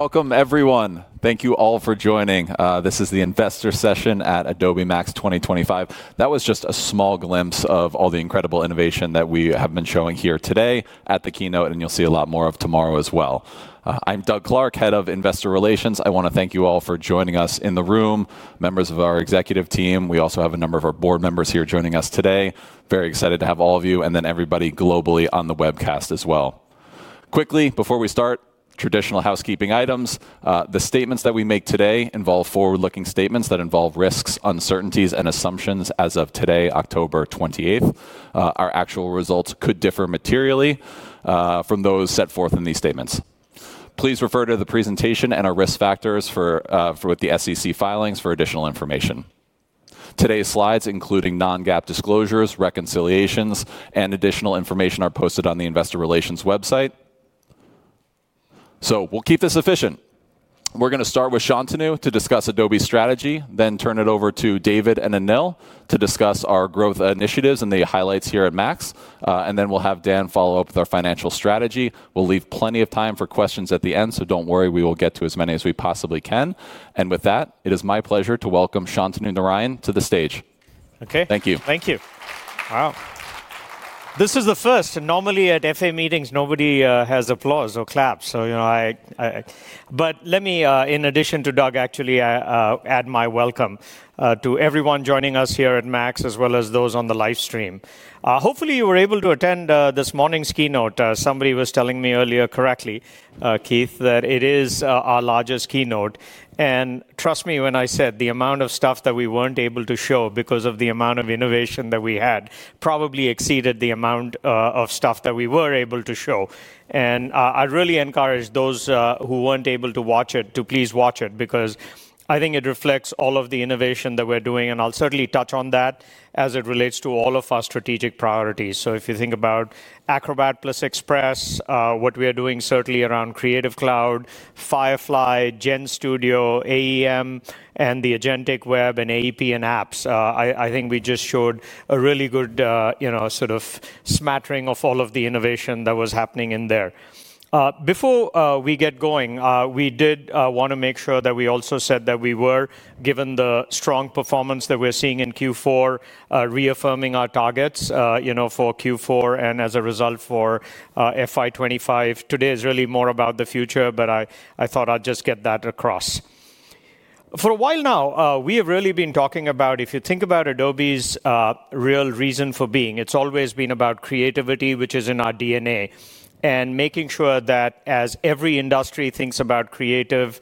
Welcome, everyone. Thank you all for joining. This is the Investor Session at Adobe Max 2025. That was just a small glimpse of all the incredible innovation that we have been showing here today at the keynote, and you'll see a lot more of tomorrow as well. I'm Doug Clark, Head of Investor Relations. I want to thank you all for joining us in the room, members of our executive team. We also have a number of our board members here joining us today. Very excited to have all of you, and then everybody globally on the webcast as well. Quickly, before we start, traditional housekeeping items. The statements that we make today involve forward-looking statements that involve risks, uncertainties, and assumptions as of today, October 28th. Our actual results could differ materially from those set forth in these statements. Please refer to the presentation and our risk factors for the SEC filings for additional information. Today's slides, including non-GAAP disclosures, reconciliations, and additional information, are posted on the Investor Relations website. We'll keep this efficient. We're going to start with Shantanu to discuss Adobe's strategy, then turn it over to David and Anil to discuss our growth initiatives and the highlights here at Max. Then we'll have Dan follow up with our financial strategy. We'll leave plenty of time for questions at the end, so don't worry. We will get to as many as we possibly can. With that, it is my pleasure to welcome Shantanu Narayen to the stage. Okay. Thank you. Thank you. Wow. This is the first. Normally at FA meetings, nobody has applause or claps. Let me, in addition to Doug, actually add my welcome to everyone joining us here at Max, as well as those on the livestream. Hopefully, you were able to attend this morning's keynote. Somebody was telling me earlier, correctly, Keith, that it is our largest keynote. Trust me, when I said the amount of stuff that we weren't able to show because of the amount of innovation that we had probably exceeded the amount of stuff that we were able to show. I really encourage those who weren't able to watch it to please watch it because I think it reflects all of the innovation that we're doing. I'll certainly touch on that as it relates to all of our strategic priorities. If you think about Acrobat plus Express, what we are doing certainly around Creative Cloud, Firefly, GenStudio, Adobe Experience Manager, and the Agentic Web, and Adobe Experience Platform and Apps, I think we just showed a really good sort of smattering of all of the innovation that was happening in there. Before we get going, we did want to make sure that we also said that we were, given the strong performance that we're seeing in Q4, reaffirming our targets for Q4 and as a result for FY 2025. Today is really more about the future, but I thought I'd just get that across. For a while now, we have really been talking about, if you think about Adobe's real reason for being, it's always been about creativity, which is in our DNA, and making sure that as every industry thinks about creative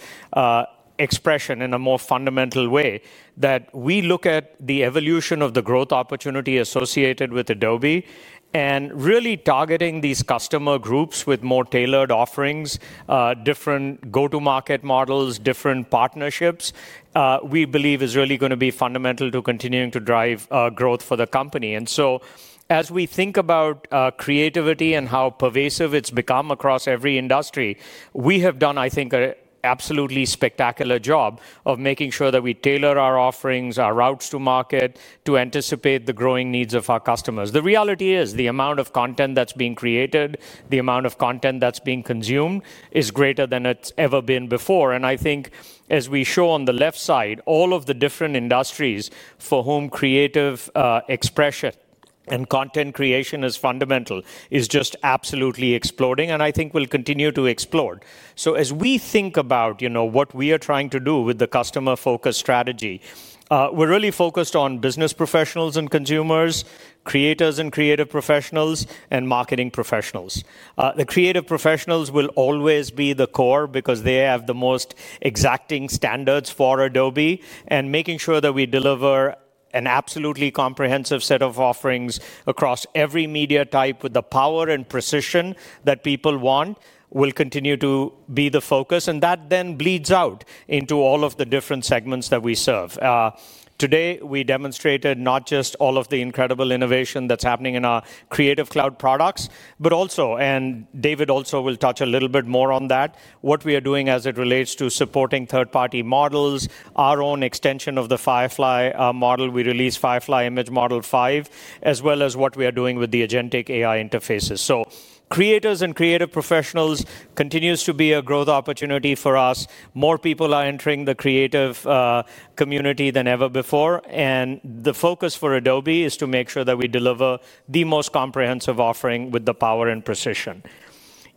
expression in a more fundamental way, that we look at the evolution of the growth opportunity associated with Adobe and really targeting these customer groups with more tailored offerings, different go-to-market models, different partnerships, we believe is really going to be fundamental to continuing to drive growth for the company. As we think about creativity and how pervasive it's become across every industry, we have done, I think, an absolutely spectacular job of making sure that we tailor our offerings, our routes to market, to anticipate the growing needs of our customers. The reality is the amount of content that's being created, the amount of content that's being consumed is greater than it's ever been before. I think, as we show on the left side, all of the different industries for whom creative expression and content creation is fundamental is just absolutely exploding, and I think will continue to explode. As we think about what we are trying to do with the customer-focused strategy, we're really focused on business professionals and consumers, creators and creative professionals, and marketing professionals. The creative professionals will always be the core because they have the most exacting standards for Adobe, and making sure that we deliver an absolutely comprehensive set of offerings across every media type with the power and precision that people want will continue to be the focus. That then bleeds out into all of the different segments that we serve. Today, we demonstrated not just all of the incredible innovation that's happening in our Creative Cloud products, but also, and David also will touch a little bit more on that, what we are doing as it relates to supporting third-party models, our own extension of the Firefly model. We released Firefly Image Model 5, as well as what we are doing with the Agentic AI interfaces. Creators and creative professionals continue to be a growth opportunity for us. More people are entering the creative community than ever before. The focus for Adobe is to make sure that we deliver the most comprehensive offering with the power and precision.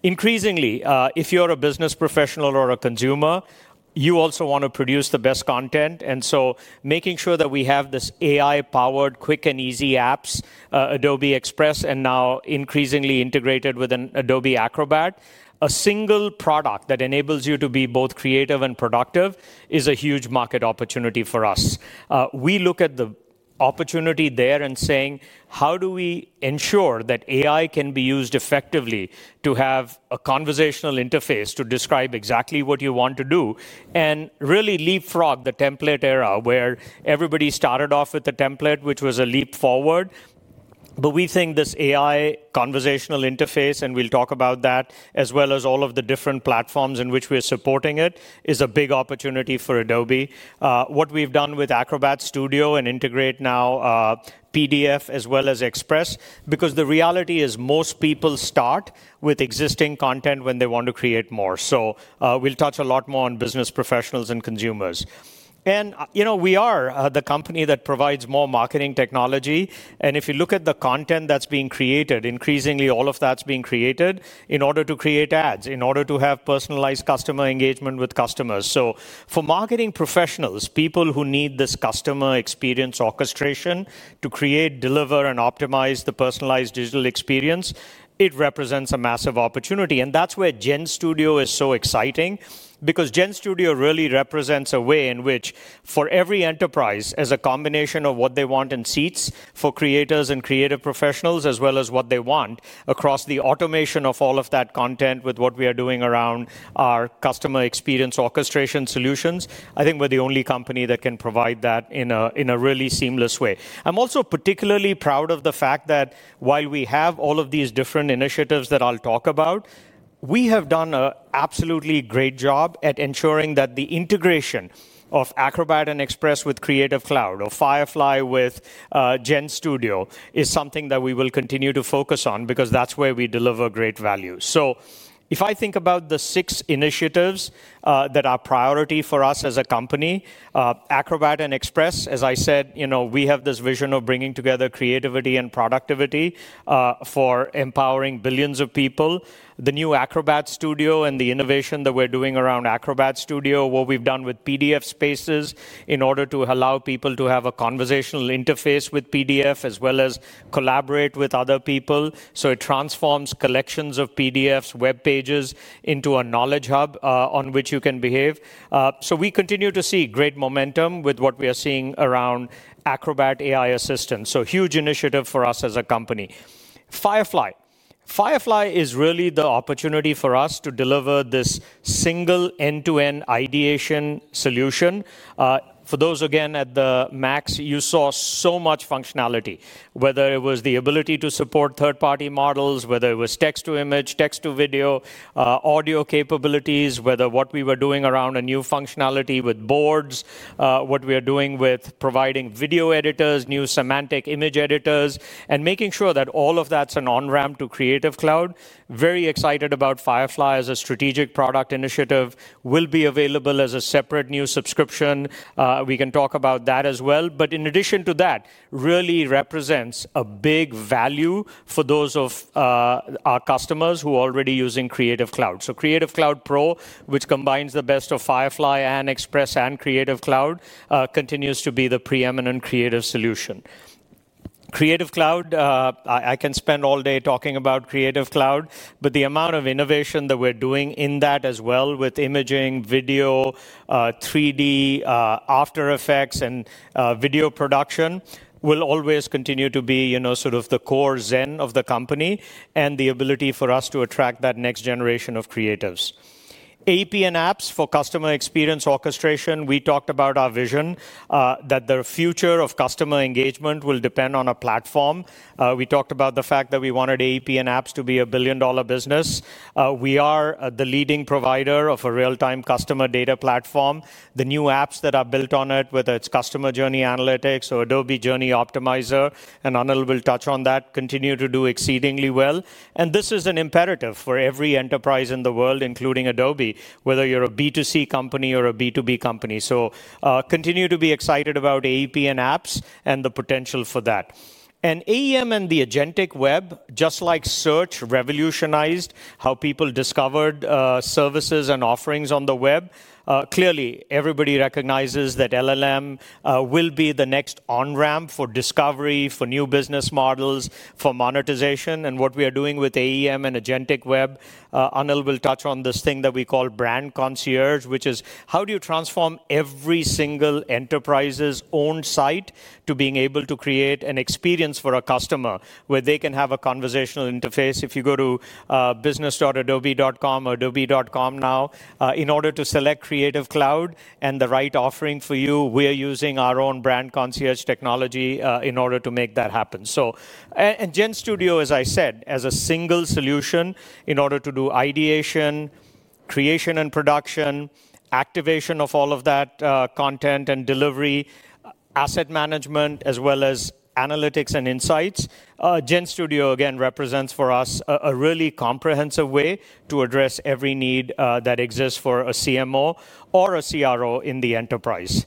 Increasingly, if you're a business professional or a consumer, you also want to produce the best content. Making sure that we have these AI-powered, quick, and easy apps, Adobe Express, and now increasingly integrated within Adobe Acrobat, a single product that enables you to be both creative and productive is a huge market opportunity for us. We look at the opportunity there and say, how do we ensure that AI can be used effectively to have a conversational interface to describe exactly what you want to do and really leapfrog the template era where everybody started off with the template, which was a leap forward. We think this AI conversational interface, and we'll talk about that, as well as all of the different platforms in which we're supporting it, is a big opportunity for Adobe. What we've done with Acrobat Studio and integrate now PDF as well as Express, because the reality is most people start with existing content when they want to create more. We'll touch a lot more on business professionals and consumers. We are the company that provides more marketing technology. If you look at the content that's being created, increasingly, all of that's being created in order to create ads, in order to have personalized customer engagement with customers. For marketing professionals, people who need this customer experience orchestration to create, deliver, and optimize the personalized digital experience, it represents a massive opportunity. That's where GenStudio is so exciting because GenStudio really represents a way in which for every enterprise, as a combination of what they want in seats for creators and creative professionals, as well as what they want across the automation of all of that content with what we are doing around our customer experience orchestration solutions, I think we're the only company that can provide that in a really seamless way. I'm also particularly proud of the fact that while we have all of these different initiatives that I'll talk about, we have done an absolutely great job at ensuring that the integration of Acrobat and Express with Creative Cloud, of Firefly with GenStudio is something that we will continue to focus on because that's where we deliver great value. If I think about the six initiatives that are a priority for us as a company, Acrobat and Express, as I said, we have this vision of bringing together creativity and productivity for empowering billions of people. The new Acrobat Studio and the innovation that we're doing around Acrobat Studio, what we've done with PDF spaces in order to allow people to have a conversational interface with PDF, as well as collaborate with other people. It transforms collections of PDFs, web pages into a knowledge hub on which you can behave. We continue to see great momentum with what we are seeing around Acrobat AI Assistant. Huge initiative for us as a company. Firefly is really the opportunity for us to deliver this single end-to-end ideation solution. For those, again, at the Max, you saw so much functionality, whether it was the ability to support third-party models, whether it was text-to-image, text-to-video, audio capabilities, whether what we were doing around a new functionality with boards, what we are doing with providing video editors, new semantic image editors, and making sure that all of that's an on-ramp to Creative Cloud. Very excited about Firefly as a strategic product initiative. Will be available as a separate new subscription. We can talk about that as well. In addition to that, it really represents a big value for those of our customers who are already using Creative Cloud. Creative Cloud Pro, which combines the best of Firefly and Express and Creative Cloud, continues to be the preeminent creative solution. Creative Cloud, I can spend all day talking about Creative Cloud, but the amount of innovation that we're doing in that as well with imaging, video, 3D, After Effects, and video production will always continue to be sort of the core zen of the company and the ability for us to attract that next generation of creatives. APN apps for customer experience orchestration, we talked about our vision that the future of customer engagement will depend on a platform. We talked about the fact that we wanted APN apps to be a billion-dollar business. We are the leading provider of a real-time customer data platform. The new apps that are built on it, whether it's Customer Journey Analytics or Adobe Journey Optimizer, and Anil will touch on that, continue to do exceedingly well. This is an imperative for every enterprise in the world, including Adobe, whether you're a B2C company or a B2B company. Continue to be excited about APN apps and the potential for that. AEM and the Agentic Web, just like search revolutionized how people discovered services and offerings on the web, clearly everybody recognizes that LLM will be the next on-ramp for discovery, for new business models, for monetization, and what we are doing with AEM and Agentic Web. Anil will touch on this thing that we call Brand Concierge, which is how do you transform every single enterprise's own site to being able to create an experience for a customer where they can have a conversational interface. If you go to business.adobe.com or adobe.com now, in order to select Creative Cloud and the right offering for you, we are using our own Brand Concierge technology in order to make that happen. GenStudio, as I said, as a single solution in order to do ideation, creation, and production, activation of all of that content and delivery, asset management, as well as analytics and insights. GenStudio, again, represents for us a really comprehensive way to address every need that exists for a CMO or a CRO in the enterprise.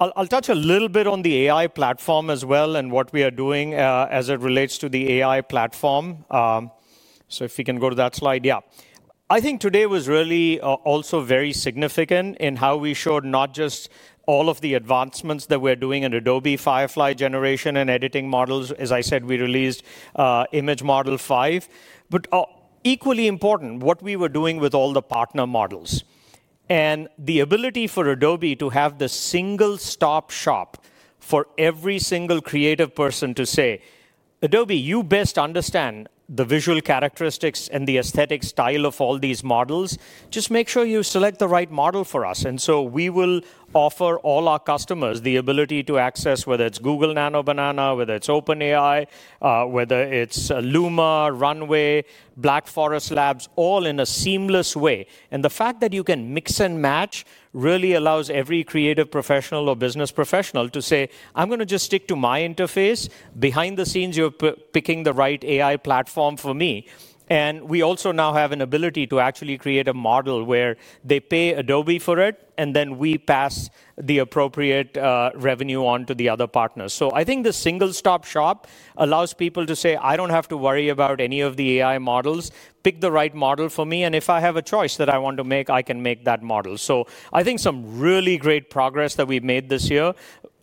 I'll touch a little bit on the AI platform as well and what we are doing as it relates to the AI platform. If you can go to that slide, yeah. I think today was really also very significant in how we showed not just all of the advancements that we're doing in Adobe Firefly generation and editing models. As I said, we released Firefly Image Model 5. Equally important, what we were doing with all the partner models and the ability for Adobe to have the single-stop shop for every single creative person to say, Adobe, you best understand the visual characteristics and the aesthetic style of all these models. Just make sure you select the right model for us. We will offer all our customers the ability to access whether it's Google, OpenAI, Luma, Runway, Black Forest Labs, all in a seamless way. The fact that you can mix and match really allows every creative professional or business professional to say, I'm going to just stick to my interface. Behind the scenes, you're picking the right AI platform for me. We also now have an ability to actually create a model where they pay Adobe for it, and then we pass the appropriate revenue on to the other partners. I think the single-stop shop allows people to say, I don't have to worry about any of the AI models. Pick the right model for me. If I have a choice that I want to make, I can make that model. I think some really great progress that we've made this year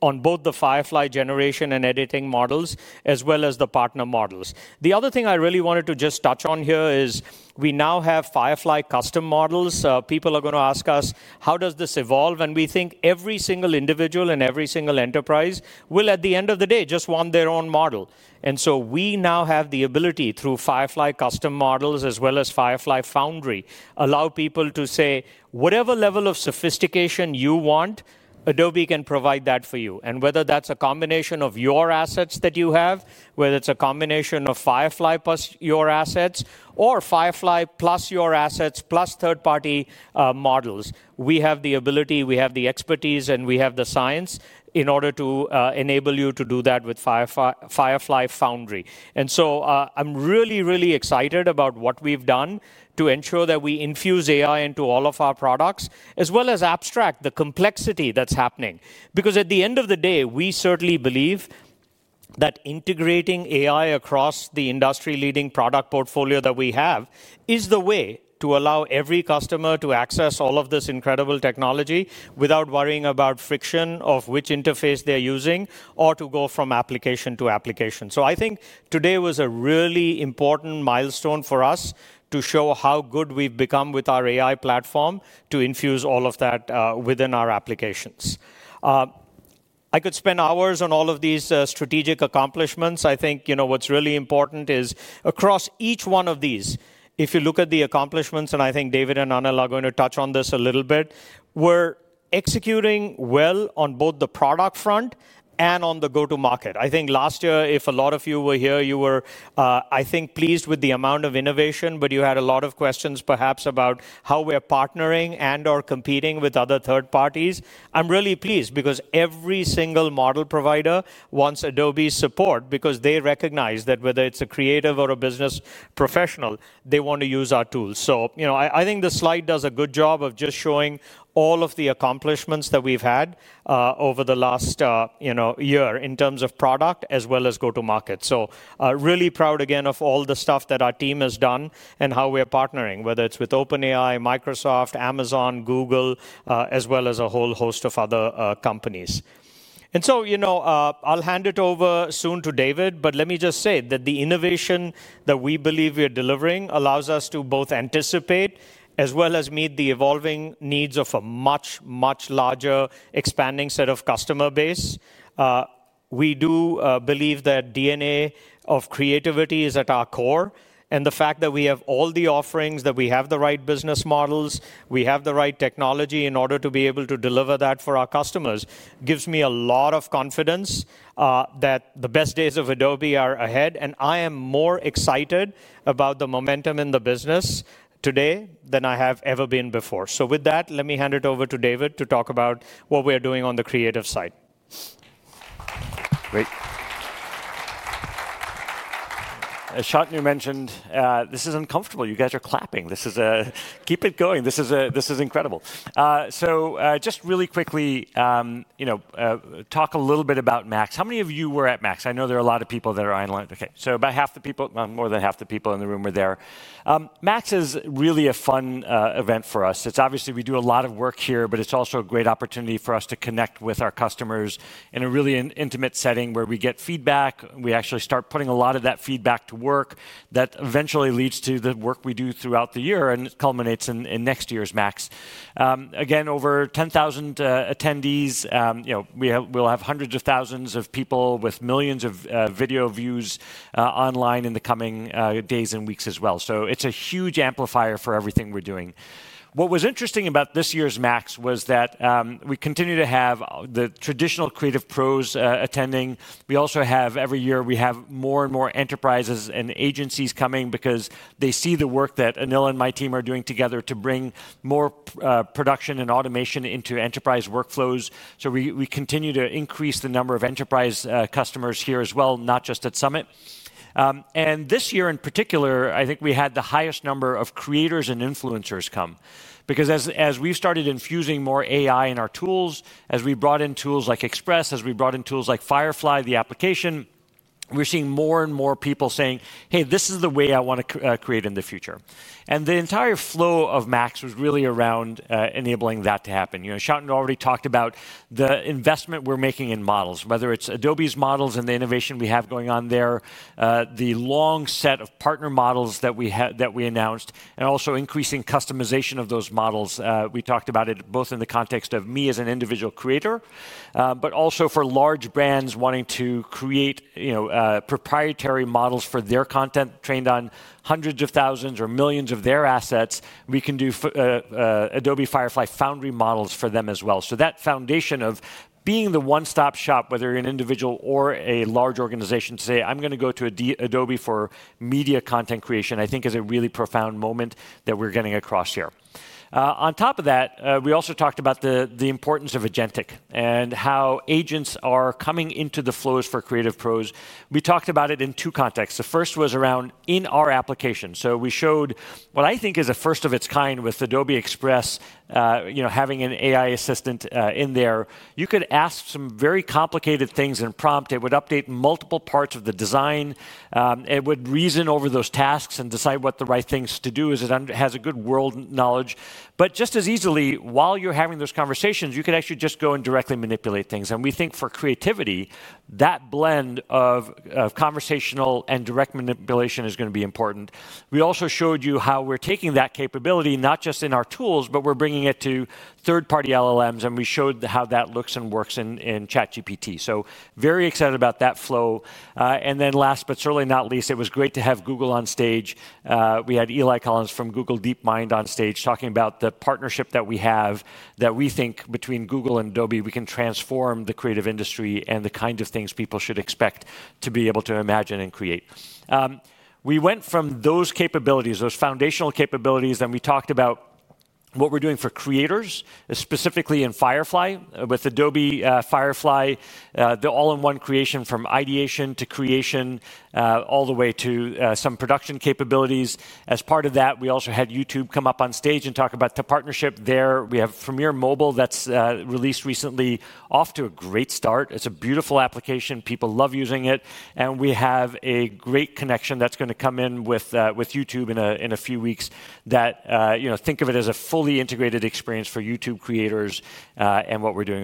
on both the Firefly generation and editing models, as well as the partner models. The other thing I really wanted to just touch on here is we now have Firefly custom models. People are going to ask us, how does this evolve? We think every single individual and every single enterprise will, at the end of the day, just want their own model. We now have the ability through Firefly custom models, as well as Firefly Foundry, to allow people to say, whatever level of sophistication you want, Adobe can provide that for you. Whether that's a combination of your assets that you have, whether it's a combination of Firefly plus your assets, or Firefly plus your assets plus third-party models, we have the ability, we have the expertise, and we have the science in order to enable you to do that with Firefly Foundry. I'm really, really excited about what we've done to ensure that we infuse AI into all of our products, as well as abstract the complexity that's happening. Because at the end of the day, we certainly believe that integrating AI across the industry-leading product portfolio that we have is the way to allow every customer to access all of this incredible technology without worrying about friction of which interface they're using or to go from application to application. I think today was a really important milestone for us to show how good we've become with our AI platform to infuse all of that within our applications. I could spend hours on all of these strategic accomplishments. I think what's really important is across each one of these, if you look at the accomplishments, and I think David and Anil are going to touch on this a little bit, we're executing well on both the product front and on the go-to-market. Last year, if a lot of you were here, you were, I think, pleased with the amount of innovation, but you had a lot of questions, perhaps, about how we are partnering and/or competing with other third parties. I'm really pleased because every single model provider wants Adobe's support because they recognize that whether it's a creative or a business professional, they want to use our tools. I think the slide does a good job of just showing all of the accomplishments that we've had over the last year in terms of product, as well as go-to-market. I'm really proud, again, of all the stuff that our team has done and how we're partnering, whether it's with OpenAI, Microsoft, Amazon, Google, as well as a whole host of other companies. I'll hand it over soon to David, but let me just say that the innovation that we believe we're delivering allows us to both anticipate as well as meet the evolving needs of a much, much larger expanding set of customer base. We do believe that DNA of creativity is at our core, and the fact that we have all the offerings, that we have the right business models, we have the right technology in order to be able to deliver that for our customers gives me a lot of confidence that the best days of Adobe are ahead. I am more excited about the momentum in the business today than I have ever been before. With that, let me hand it over to David to talk about what we're doing on the creative side. Great. As Shantanu mentioned, this is uncomfortable. You guys are clapping. Keep it going. This is incredible. Just really quickly, talk a little bit about Max. How many of you were at Max? I know there are a lot of people that are online. OK. About half the people, more than half the people in the room were there. Max is really a fun event for us. Obviously, we do a lot of work here, but it's also a great opportunity for us to connect with our customers in a really intimate setting where we get feedback. We actually start putting a lot of that feedback to work that eventually leads to the work we do throughout the year and culminates in next year's Max. Again, over 10,000 attendees. We'll have hundreds of thousands of people with millions of video views online in the coming days and weeks as well. It's a huge amplifier for everything we're doing. What was interesting about this year's Max was that we continue to have the traditional creative pros attending. Every year, we have more and more enterprises and agencies coming because they see the work that Anil and my team are doing together to bring more production and automation into enterprise workflows. We continue to increase the number of enterprise customers here as well, not just at Summit. This year in particular, I think we had the highest number of creators and influencers come because as we've started infusing more AI in our tools, as we brought in tools like Express, as we brought in tools like Firefly, the application, we're seeing more and more people saying, hey, this is the way I want to create in the future. The entire flow of Max was really around enabling that to happen. Shantanu already talked about the investment we're making in models, whether it's Adobe's models and the innovation we have going on there, the long set of partner models that we announced, and also increasing customization of those models. We talked about it both in the context of me as an individual creator, but also for large brands wanting to create proprietary models for their content trained on hundreds of thousands or millions of their assets. We can do Adobe Firefly Foundry models for them as well. That foundation of being the one-stop shop, whether you're an individual or a large organization, to say, I'm going to go to Adobe for media content creation, I think is a really profound moment that we're getting across here. On top of that, we also talked about the importance of Agentic and how agents are coming into the flows for creative pros. We talked about it in two contexts. The first was around in our application. We showed what I think is a first of its kind with Adobe Express having an AI assistant in there. You could ask some very complicated things in prompt. It would update multiple parts of the design. It would reason over those tasks and decide what the right thing is to do as it has a good world knowledge. Just as easily, while you're having those conversations, you could actually just go and directly manipulate things. We think for creativity, that blend of conversational and direct manipulation is going to be important. We also showed you how we're taking that capability, not just in our tools, but we're bringing it to third-party LLMs. We showed how that looks and works in ChatGPT. Very excited about that flow. Last but certainly not least, it was great to have Google on stage. We had Eli Collins from Google DeepMind on stage talking about the partnership that we have that we think between Google and Adobe, we can transform the creative industry and the kind of things people should expect to be able to imagine and create. We went from those capabilities, those foundational capabilities, and we talked about what we're doing for creators, specifically in Firefly with Adobe Firefly, the all-in-one creation from ideation to creation, all the way to some production capabilities. As part of that, we also had YouTube come up on stage and talk about the partnership there. We have Premiere Mobile that's released recently, off to a great start. It's a beautiful application. People love using it. We have a great connection that's going to come in with YouTube in a few weeks that, think of it as a fully integrated experience for YouTube creators and what we're doing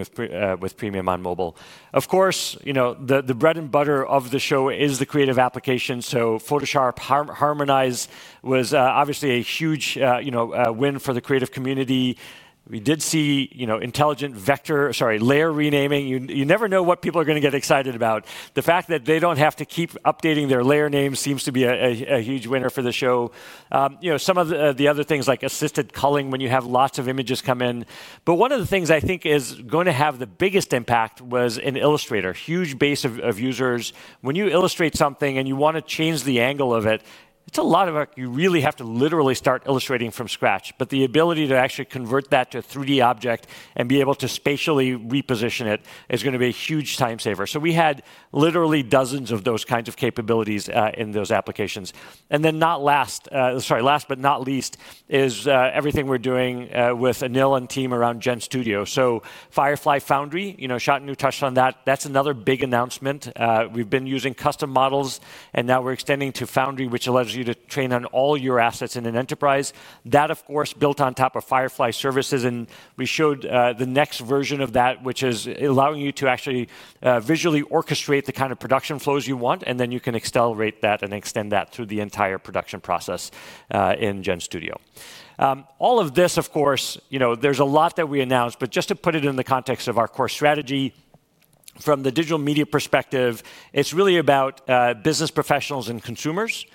with Premium on mobile. Of course, the bread and butter of the show is the creative application. Photoshop Harmonize was obviously a huge win for the creative community. We did see intelligent layer renaming. You never know what people are going to get excited about. The fact that they don't have to keep updating their layer names seems to be a huge winner for the show. Some of the other things, like assisted culling, when you have lots of images come in. One of the things I think is going to have the biggest impact was in Illustrator, a huge base of users. When you illustrate something and you want to change the angle of it, it's a lot of work. You really have to literally start illustrating from scratch. The ability to actually convert that to a 3D object and be able to spatially reposition it is going to be a huge time saver. We had literally dozens of those kinds of capabilities in those applications. Last but not least, is everything we're doing with Anil and the team around GenStudio. Firefly Foundry, Shantanu touched on that. That's another big announcement. We've been using custom models, and now we're extending to Foundry, which allows you to train on all your assets in an enterprise. That, of course, is built on top of Firefly services. We showed the next version of that, which is allowing you to actually visually orchestrate the kind of production flows you want. You can accelerate that and extend that through the entire production process in GenStudio. All of this, of course, there's a lot that we announced. Just to put it in the context of our core strategy, from the digital media perspective, it's really about business professionals and consumers,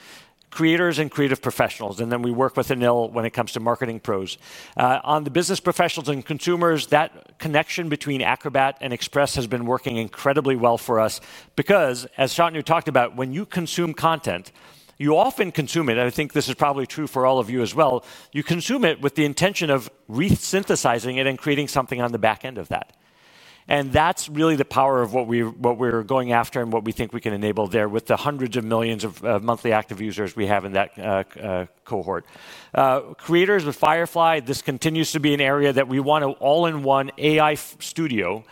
creators and creative professionals. We work with Anil when it comes to marketing pros. On the business professionals and consumers, that connection between Acrobat and Express has been working incredibly well for us because, as Shantanu talked about, when you consume content, you often consume it. I think this is probably true for all of you as well. You consume it with the intention of resynthesizing it and creating something on the back end of that. That's really the power of what we're going after and what we think we can enable there with the hundreds of millions of monthly active users we have in that cohort. Creators of Firefly, this continues to be an area that we want an all-in-one AI studio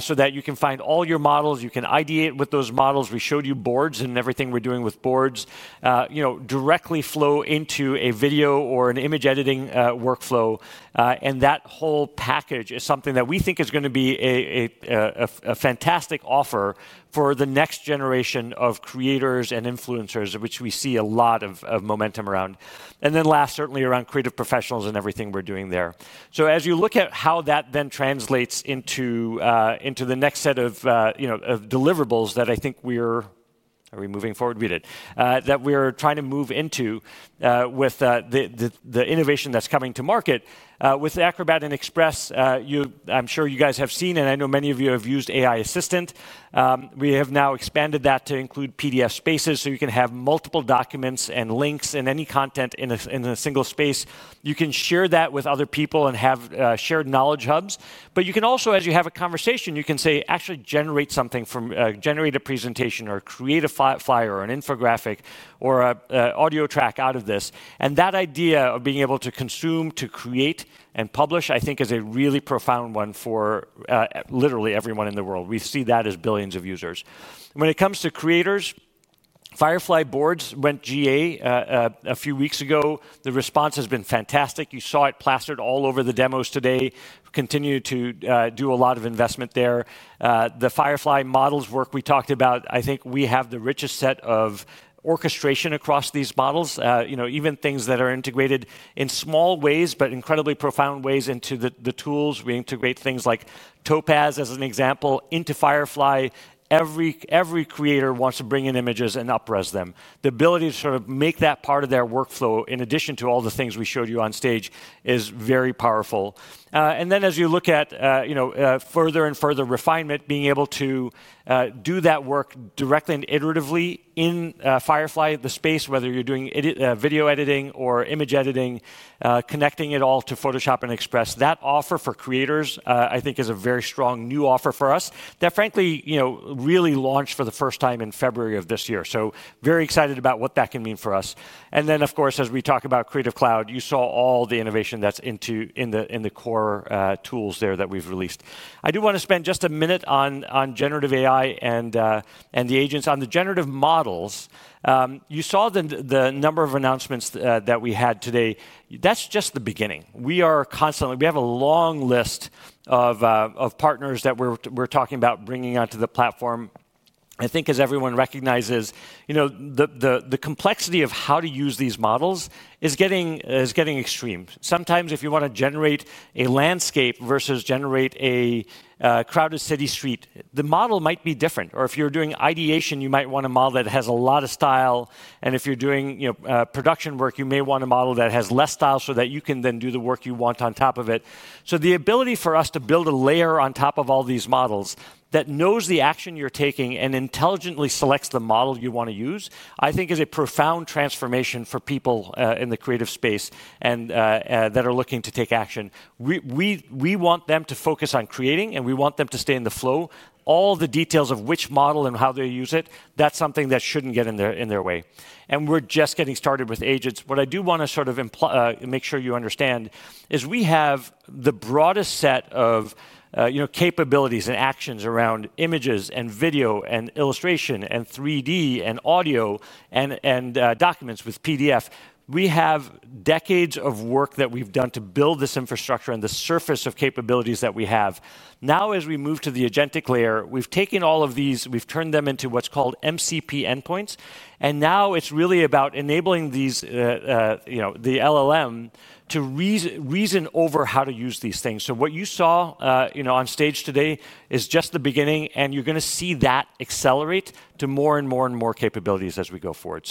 so that you can find all your models. You can ideate with those models. We showed you boards and everything we're doing with boards directly flow into a video or an image editing workflow. That whole package is something that we think is going to be a fantastic offer for the next generation of creators and influencers, which we see a lot of momentum around. Last, certainly around creative professionals and everything we're doing there. As you look at how that then translates into the next set of deliverables that I think we're, are we moving forward? We did. That we're trying to move into with the innovation that's coming to market with Acrobat and Express. I'm sure you guys have seen, and I know many of you have used Acrobat AI Assistant. We have now expanded that to include PDF spaces so you can have multiple documents and links and any content in a single space. You can share that with other people and have shared knowledge hubs. You can also, as you have a conversation, say, actually generate something from, generate a presentation or create a flyer or an infographic or an audio track out of this. That idea of being able to consume, to create, and publish, I think, is a really profound one for literally everyone in the world. We see that as billions of users. When it comes to creators, Firefly boards went GA a few weeks ago. The response has been fantastic. You saw it plastered all over the demos today. We continue to do a lot of investment there. The Firefly models work we talked about, I think we have the richest set of orchestration across these models, even things that are integrated in small ways, but incredibly profound ways into the tools. We integrate things like Topaz, as an example, into Firefly. Every creator wants to bring in images and up-res them. The ability to make that part of their workflow, in addition to all the things we showed you on stage, is very powerful. As you look at further and further refinement, being able to do that work directly and iteratively in Firefly, the space, whether you're doing video editing or image editing, connecting it all to Photoshop and Express. That offer for creators, I think, is a very strong new offer for us that, frankly, really launched for the first time in February of this year. Very excited about what that can mean for us. As we talk about Creative Cloud, you saw all the innovation that's in the core tools there that we've released. I do want to spend just a minute on generative AI and the agents. On the generative models, you saw the number of announcements that we had today. That's just the beginning. We have a long list of partners that we're talking about bringing onto the platform. I think, as everyone recognizes, the complexity of how to use these models is getting extreme. Sometimes, if you want to generate a landscape versus generate a crowded city street, the model might be different. If you're doing ideation, you might want a model that has a lot of style. If you're doing production work, you may want a model that has less style so that you can then do the work you want on top of it. The ability for us to build a layer on top of all these models that knows the action you're taking and intelligently selects the model you want to use, I think, is a profound transformation for people in the creative space that are looking to take action. We want them to focus on creating, and we want them to stay in the flow. All the details of which model and how they use it, that's something that shouldn't get in their way. We're just getting started with agents. What I do want to make sure you understand is we have the broadest set of capabilities and actions around images, video, illustration, 3D, audio, and documents with PDF. We have decades of work that we've done to build this infrastructure and the surface of capabilities that we have. Now, as we move to the Agentic layer, we've taken all of these and turned them into what's called MCP endpoints. Now it's really about enabling the LLM to reason over how to use these things. What you saw on stage today is just the beginning. You're going to see that accelerate to more and more capabilities as we go forward.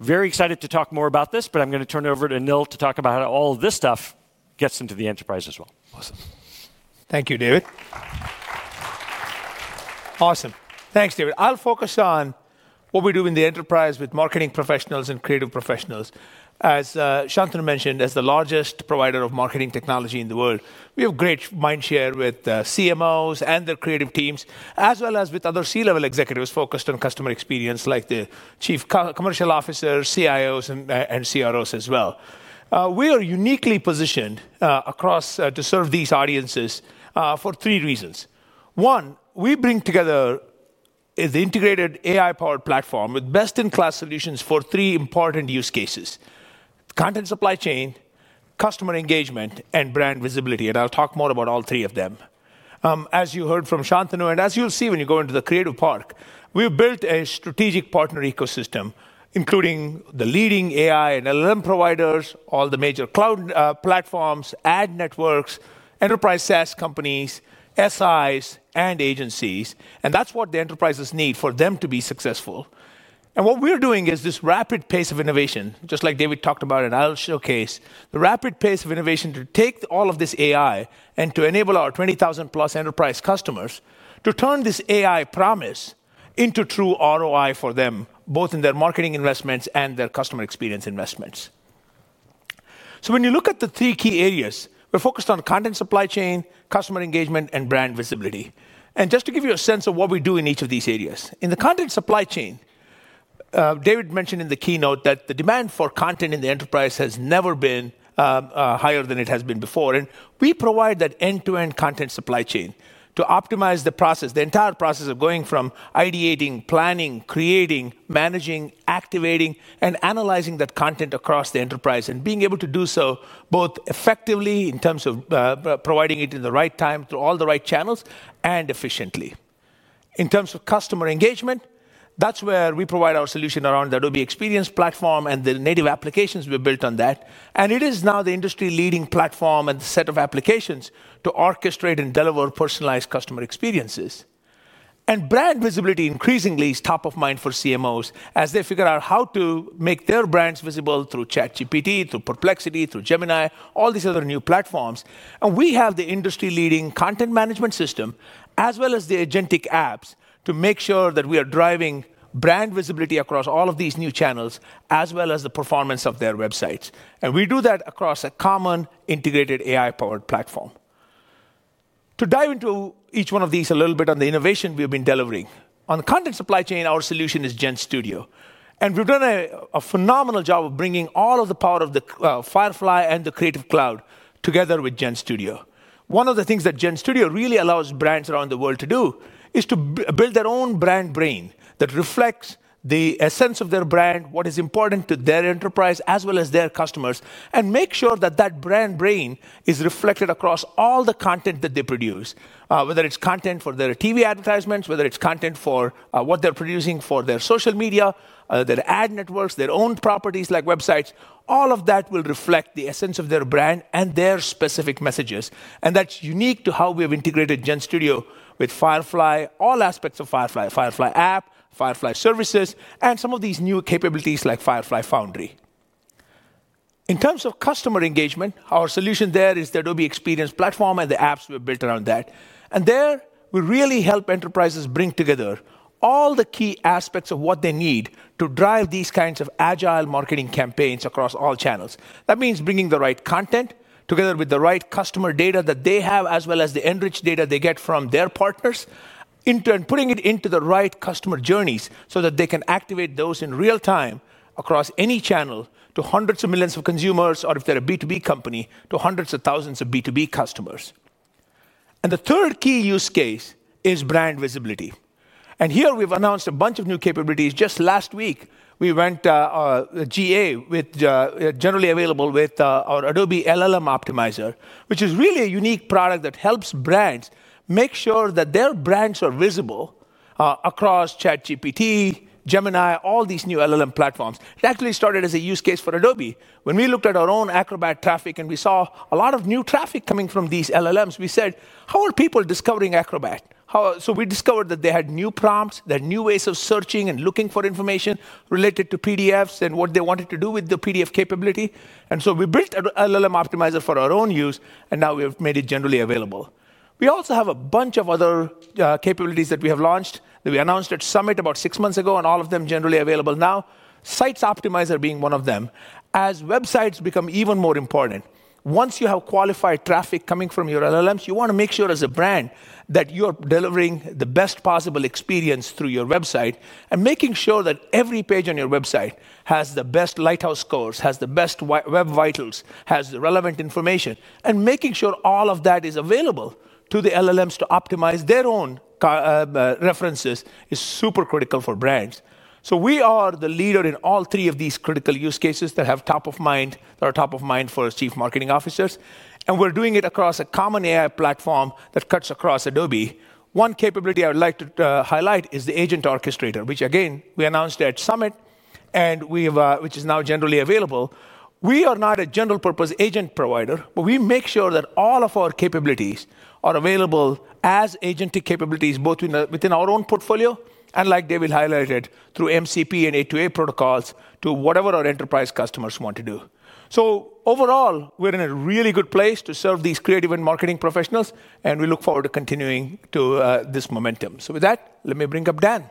Very excited to talk more about this, but I'm going to turn it over to Anil to talk about how all of this stuff gets into the enterprise as well. Awesome. Thank you, David. Awesome. Thanks, David. I'll focus on what we do in the enterprise with marketing professionals and creative professionals. As Shantanu mentioned, as the largest provider of marketing technology in the world, we have great mindshare with CMOs and their creative teams, as well as with other C-level executives focused on customer experience, like the Chief Commercial Officers, CIOs, and CROs as well. We are uniquely positioned to serve these audiences for three reasons. One, we bring together the integrated AI-powered platform with best-in-class solutions for three important use cases: content supply chain, customer engagement, and brand visibility. I'll talk more about all three of them. As you heard from Shantanu, and as you'll see when you go into the creative park, we've built a strategic partner ecosystem, including the leading AI and LLM providers, all the major cloud platforms, ad networks, enterprise SaaS companies, SIs, and agencies. That's what the enterprises need for them to be successful. What we're doing is this rapid pace of innovation, just like David talked about, and I'll showcase, the rapid pace of innovation to take all of this AI and to enable our 20,000+ enterprise customers to turn this AI promise into true ROI for them, both in their marketing investments and their customer experience investments. When you look at the three key areas, we're focused on content supply chain, customer engagement, and brand visibility. Just to give you a sense of what we do in each of these areas, in the content supply chain, David mentioned in the keynote that the demand for content in the enterprise has never been higher than it has been before. We provide that end-to-end content supply chain to optimize the process, the entire process of going from ideating, planning, creating, managing, activating, and analyzing that content across the enterprise and being able to do so both effectively in terms of providing it in the right time through all the right channels and efficiently. In terms of customer engagement, that's where we provide our solution around the Adobe Experience Platform and the native applications we built on that. It is now the industry-leading platform and the set of applications to orchestrate and deliver personalized customer experiences. Brand visibility increasingly is top of mind for CMOs as they figure out how to make their brands visible through ChatGPT, through Perplexity, through Gemini, all these other new platforms. We have the industry-leading content management system, as well as the Agentic apps, to make sure that we are driving brand visibility across all of these new channels, as well as the performance of their websites. We do that across a common integrated AI-powered platform. To dive into each one of these a little bit on the innovation we have been delivering on the content supply chain, our solution is GenStudio. We've done a phenomenal job of bringing all of the power of Firefly and Creative Cloud together with GenStudio. One of the things that GenStudio really allows brands around the world to do is to build their own brand brain that reflects the essence of their brand, what is important to their enterprise, as well as their customers, and make sure that that brand brain is reflected across all the content that they produce, whether it's content for their TV advertisements, whether it's content for what they're producing for their social media, their ad networks, their own properties like websites. All of that will reflect the essence of their brand and their specific messages. That's unique to how we have integrated GenStudio with Firefly, all aspects of Firefly: Firefly app, Firefly services, and some of these new capabilities like Firefly Foundry. In terms of customer engagement, our solution there is the Adobe Experience Platform and the apps we've built around that. We really help enterprises bring together all the key aspects of what they need to drive these kinds of agile marketing campaigns across all channels. That means bringing the right content together with the right customer data that they have, as well as the enriched data they get from their partners, and putting it into the right customer journeys so that they can activate those in real time across any channel to hundreds of millions of consumers, or if they're a B2B company, to hundreds of thousands of B2B customers. The third key use case is brand visibility. Here, we've announced a bunch of new capabilities. Just last week, we went GA, generally available, with our Adobe LLM Optimizer, which is really a unique product that helps brands make sure that their brands are visible across ChatGPT, Gemini, all these new LLM platforms. It actually started as a use case for Adobe. When we looked at our own Acrobat traffic and we saw a lot of new traffic coming from these LLMs, we said, how are people discovering Acrobat? We discovered that they had new prompts, their new ways of searching and looking for information related to PDFs and what they wanted to do with the PDF capability. We built an LLM Optimizer for our own use, and now we have made it generally available. We also have a bunch of other capabilities that we have launched that we announced at Summit about six months ago, and all of them are generally available now, Sites Optimizer being one of them. As websites become even more important, once you have qualified traffic coming from your LLMs, you want to make sure as a brand that you are delivering the best possible experience through your website and making sure that every page on your website has the best Lighthouse scores, has the best web vitals, has the relevant information, and making sure all of that is available to the LLMs to optimize their own references is super critical for brands. We are the leader in all three of these critical use cases that are top of mind for our Chief Marketing Officers. We're doing it across a common AI platform that cuts across Adobe. One capability I would like to highlight is the Agent Orchestrator, which, again, we announced at Summit, and which is now generally available. We are not a general-purpose agent provider, but we make sure that all of our capabilities are available as Agentic capabilities both within our own portfolio and, like David highlighted, through MCP and A2A protocols to whatever our enterprise customers want to do. Overall, we're in a really good place to serve these creative and marketing professionals, and we look forward to continuing this momentum. With that, let me bring up Dan.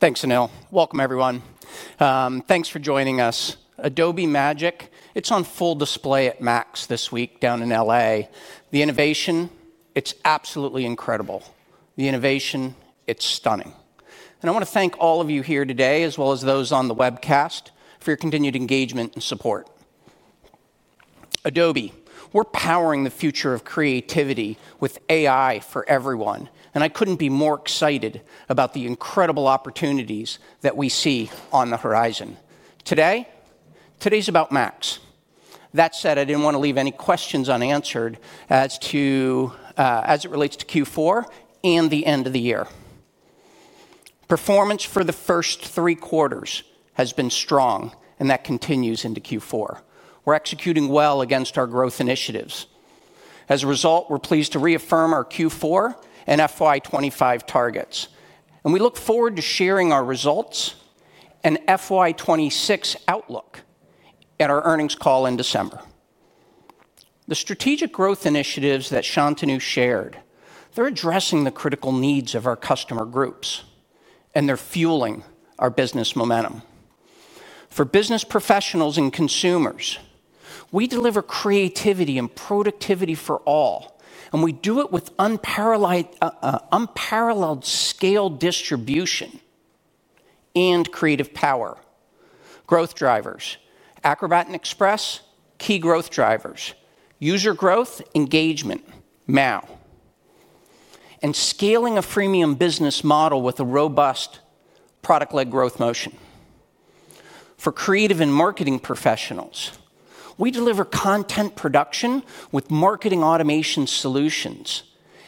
Thanks, Anil. Welcome, everyone. Thanks for joining us. Adobe Magic, it's on full display at Max this week down in LA. The innovation, it's absolutely incredible. The innovation, it's stunning. I want to thank all of you here today, as well as those on the webcast, for your continued engagement and support. Adobe, we're powering the future of creativity with AI for everyone. I couldn't be more excited about the incredible opportunities that we see on the horizon. Today, today's about Max. That said, I didn't want to leave any questions unanswered as it relates to Q4 and the end of the year. Performance for the first three quarters has been strong, and that continues into Q4. We're executing well against our growth initiatives. As a result, we're pleased to reaffirm our Q4 and FY 2025 targets. We look forward to sharing our results and FY 2026 outlook at our earnings call in December. The strategic growth initiatives that Shantanu shared, they're addressing the critical needs of our customer groups, and they're fueling our business momentum. For business professionals and consumers, we deliver creativity and productivity for all. We do it with unparalleled scale, distribution, and creative power. Growth drivers: Acrobat and Express, key growth drivers: user growth, engagement, MAO, and scaling a freemium business model with a robust product-led growth motion. For creative and marketing professionals, we deliver content production with marketing automation solutions.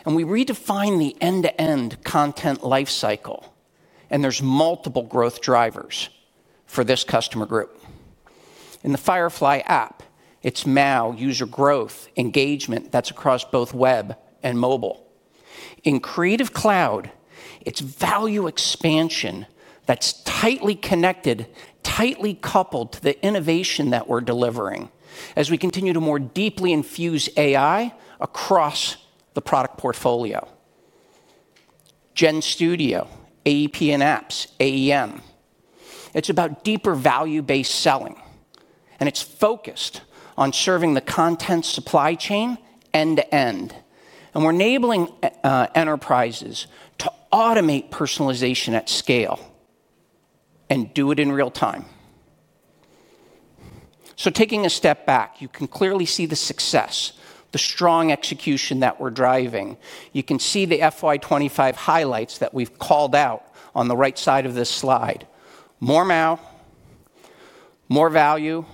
We redefine the end-to-end content lifecycle. There's multiple growth drivers for this customer group. In the Firefly app, it's MAO, user growth, engagement that's across both web and mobile. In Creative Cloud, it's value expansion that's tightly connected, tightly coupled to the innovation that we're delivering as we continue to more deeply infuse AI across the product portfolio. GenStudio, APN apps, Adobe Experience Manager, it's about deeper value-based selling. It's focused on serving the content supply chain end to end. We're enabling enterprises to automate personalization at scale and do it in real time. Taking a step back, you can clearly see the success, the strong execution that we're driving. You can see the FY 2025 highlights that we've called out on the right side of this slide. More MAO, more value,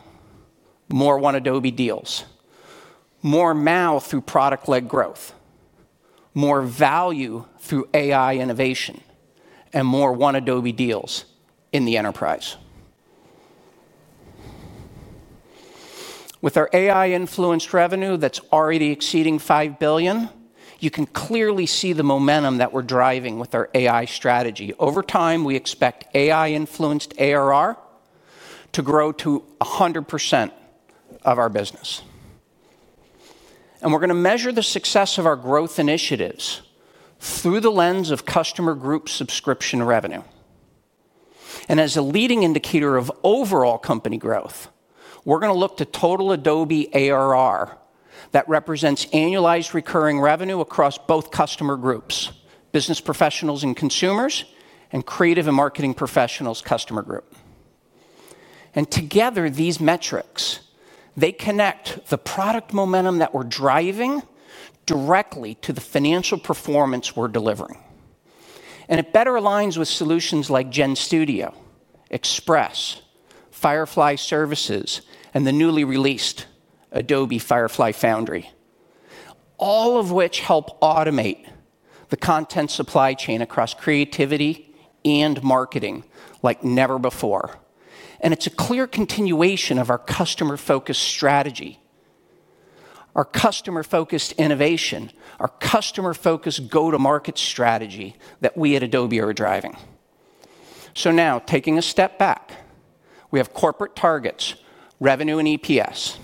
more One Adobe deals, more MAO through product-led growth, more value through AI innovation, and more One Adobe deals in the enterprise. With our AI-influenced revenue that's already exceeding $5 billion, you can clearly see the momentum that we're driving with our AI strategy. Over time, we expect AI-influenced ARR to grow to 100% of our business. We're going to measure the success of our growth initiatives through the lens of customer group subscription revenue. As a leading indicator of overall company growth, we're going to look to total Adobe ARR that represents annualized recurring revenue across both customer groups, business professionals and consumers, and creative and marketing professionals customer group. Together, these metrics connect the product momentum that we're driving directly to the financial performance we're delivering. It better aligns with solutions like GenStudio, Express, Firefly Services, and the newly released Adobe Firefly Foundry, all of which help automate the content supply chain across creativity and marketing like never before. It is a clear continuation of our customer-focused strategy, our customer-focused innovation, our customer-focused go-to-market strategy that we at Adobe are driving. Taking a step back, we have corporate targets, revenue, and EPS.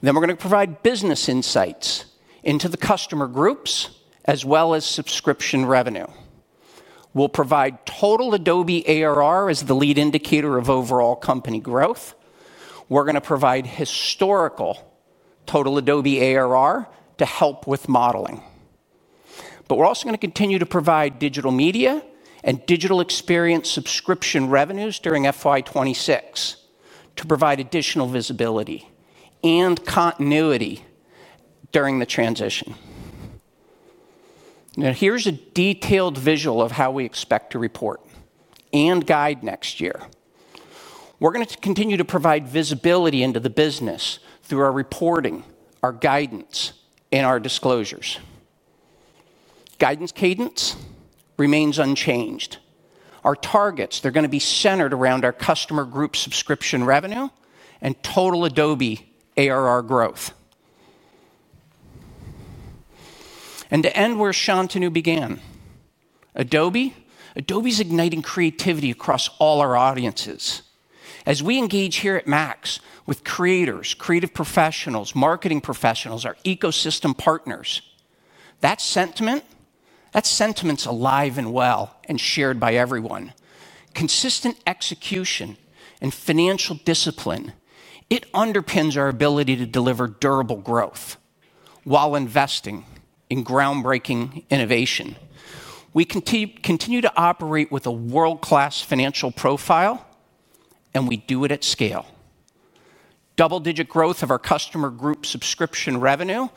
We're going to provide business insights into the customer groups, as well as subscription revenue. We'll provide total Adobe ARR as the lead indicator of overall company growth. We're going to provide historical total Adobe ARR to help with modeling. We're also going to continue to provide digital media and digital experience subscription revenues during FY 2026 to provide additional visibility and continuity during the transition. Here's a detailed visual of how we expect to report and guide next year. We're going to continue to provide visibility into the business through our reporting, our guidance, and our disclosures. Guidance cadence remains unchanged. Our targets are going to be centered around our customer group subscription revenue and total Adobe ARR growth. To end where Shantanu began, Adobe, Adobe's igniting creativity across all our audiences. As we engage here at Max with creators, creative professionals, marketing professionals, our ecosystem partners, that sentiment, that sentiment's alive and well and shared by everyone. Consistent execution and financial discipline underpins our ability to deliver durable growth while investing in groundbreaking innovation. We continue to operate with a world-class financial profile, and we do it at scale. Double-digit growth of our customer group subscription revenue,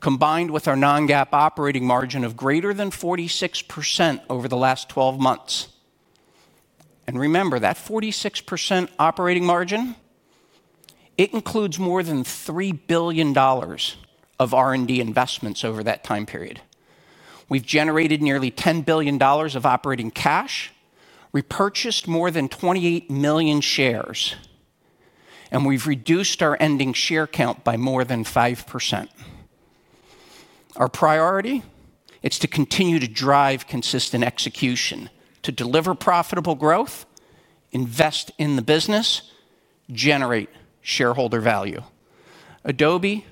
combined with our non-GAAP operating margin of greater than 46% over the last 12 months. Remember, that 46% operating margin includes more than $3 billion of R&D investments over that time period. We've generated nearly $10 billion of operating cash. We purchased more than 28 million shares, and we've reduced our ending share count by more than 5%. Our priority is to continue to drive consistent execution, deliver profitable growth, invest in the business, and generate shareholder value. Adobe,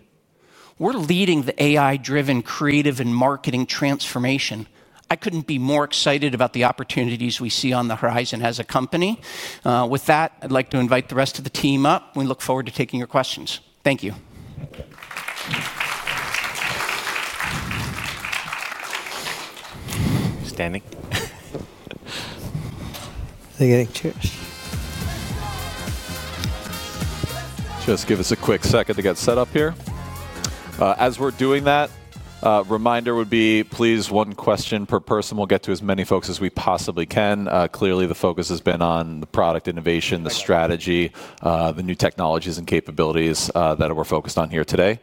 we're leading the AI-driven creative and marketing transformation. I couldn't be more excited about the opportunities we see on the horizon as a company. With that, I'd like to invite the rest of the team up. We look forward to taking your questions. Thank you. Standing. Just give us a quick second to get set up here. As we're doing that, a reminder would be, please, one question per person. We'll get to as many folks as we possibly can. Clearly, the focus has been on the product innovation, the strategy, the new technologies and capabilities that we're focused on here today.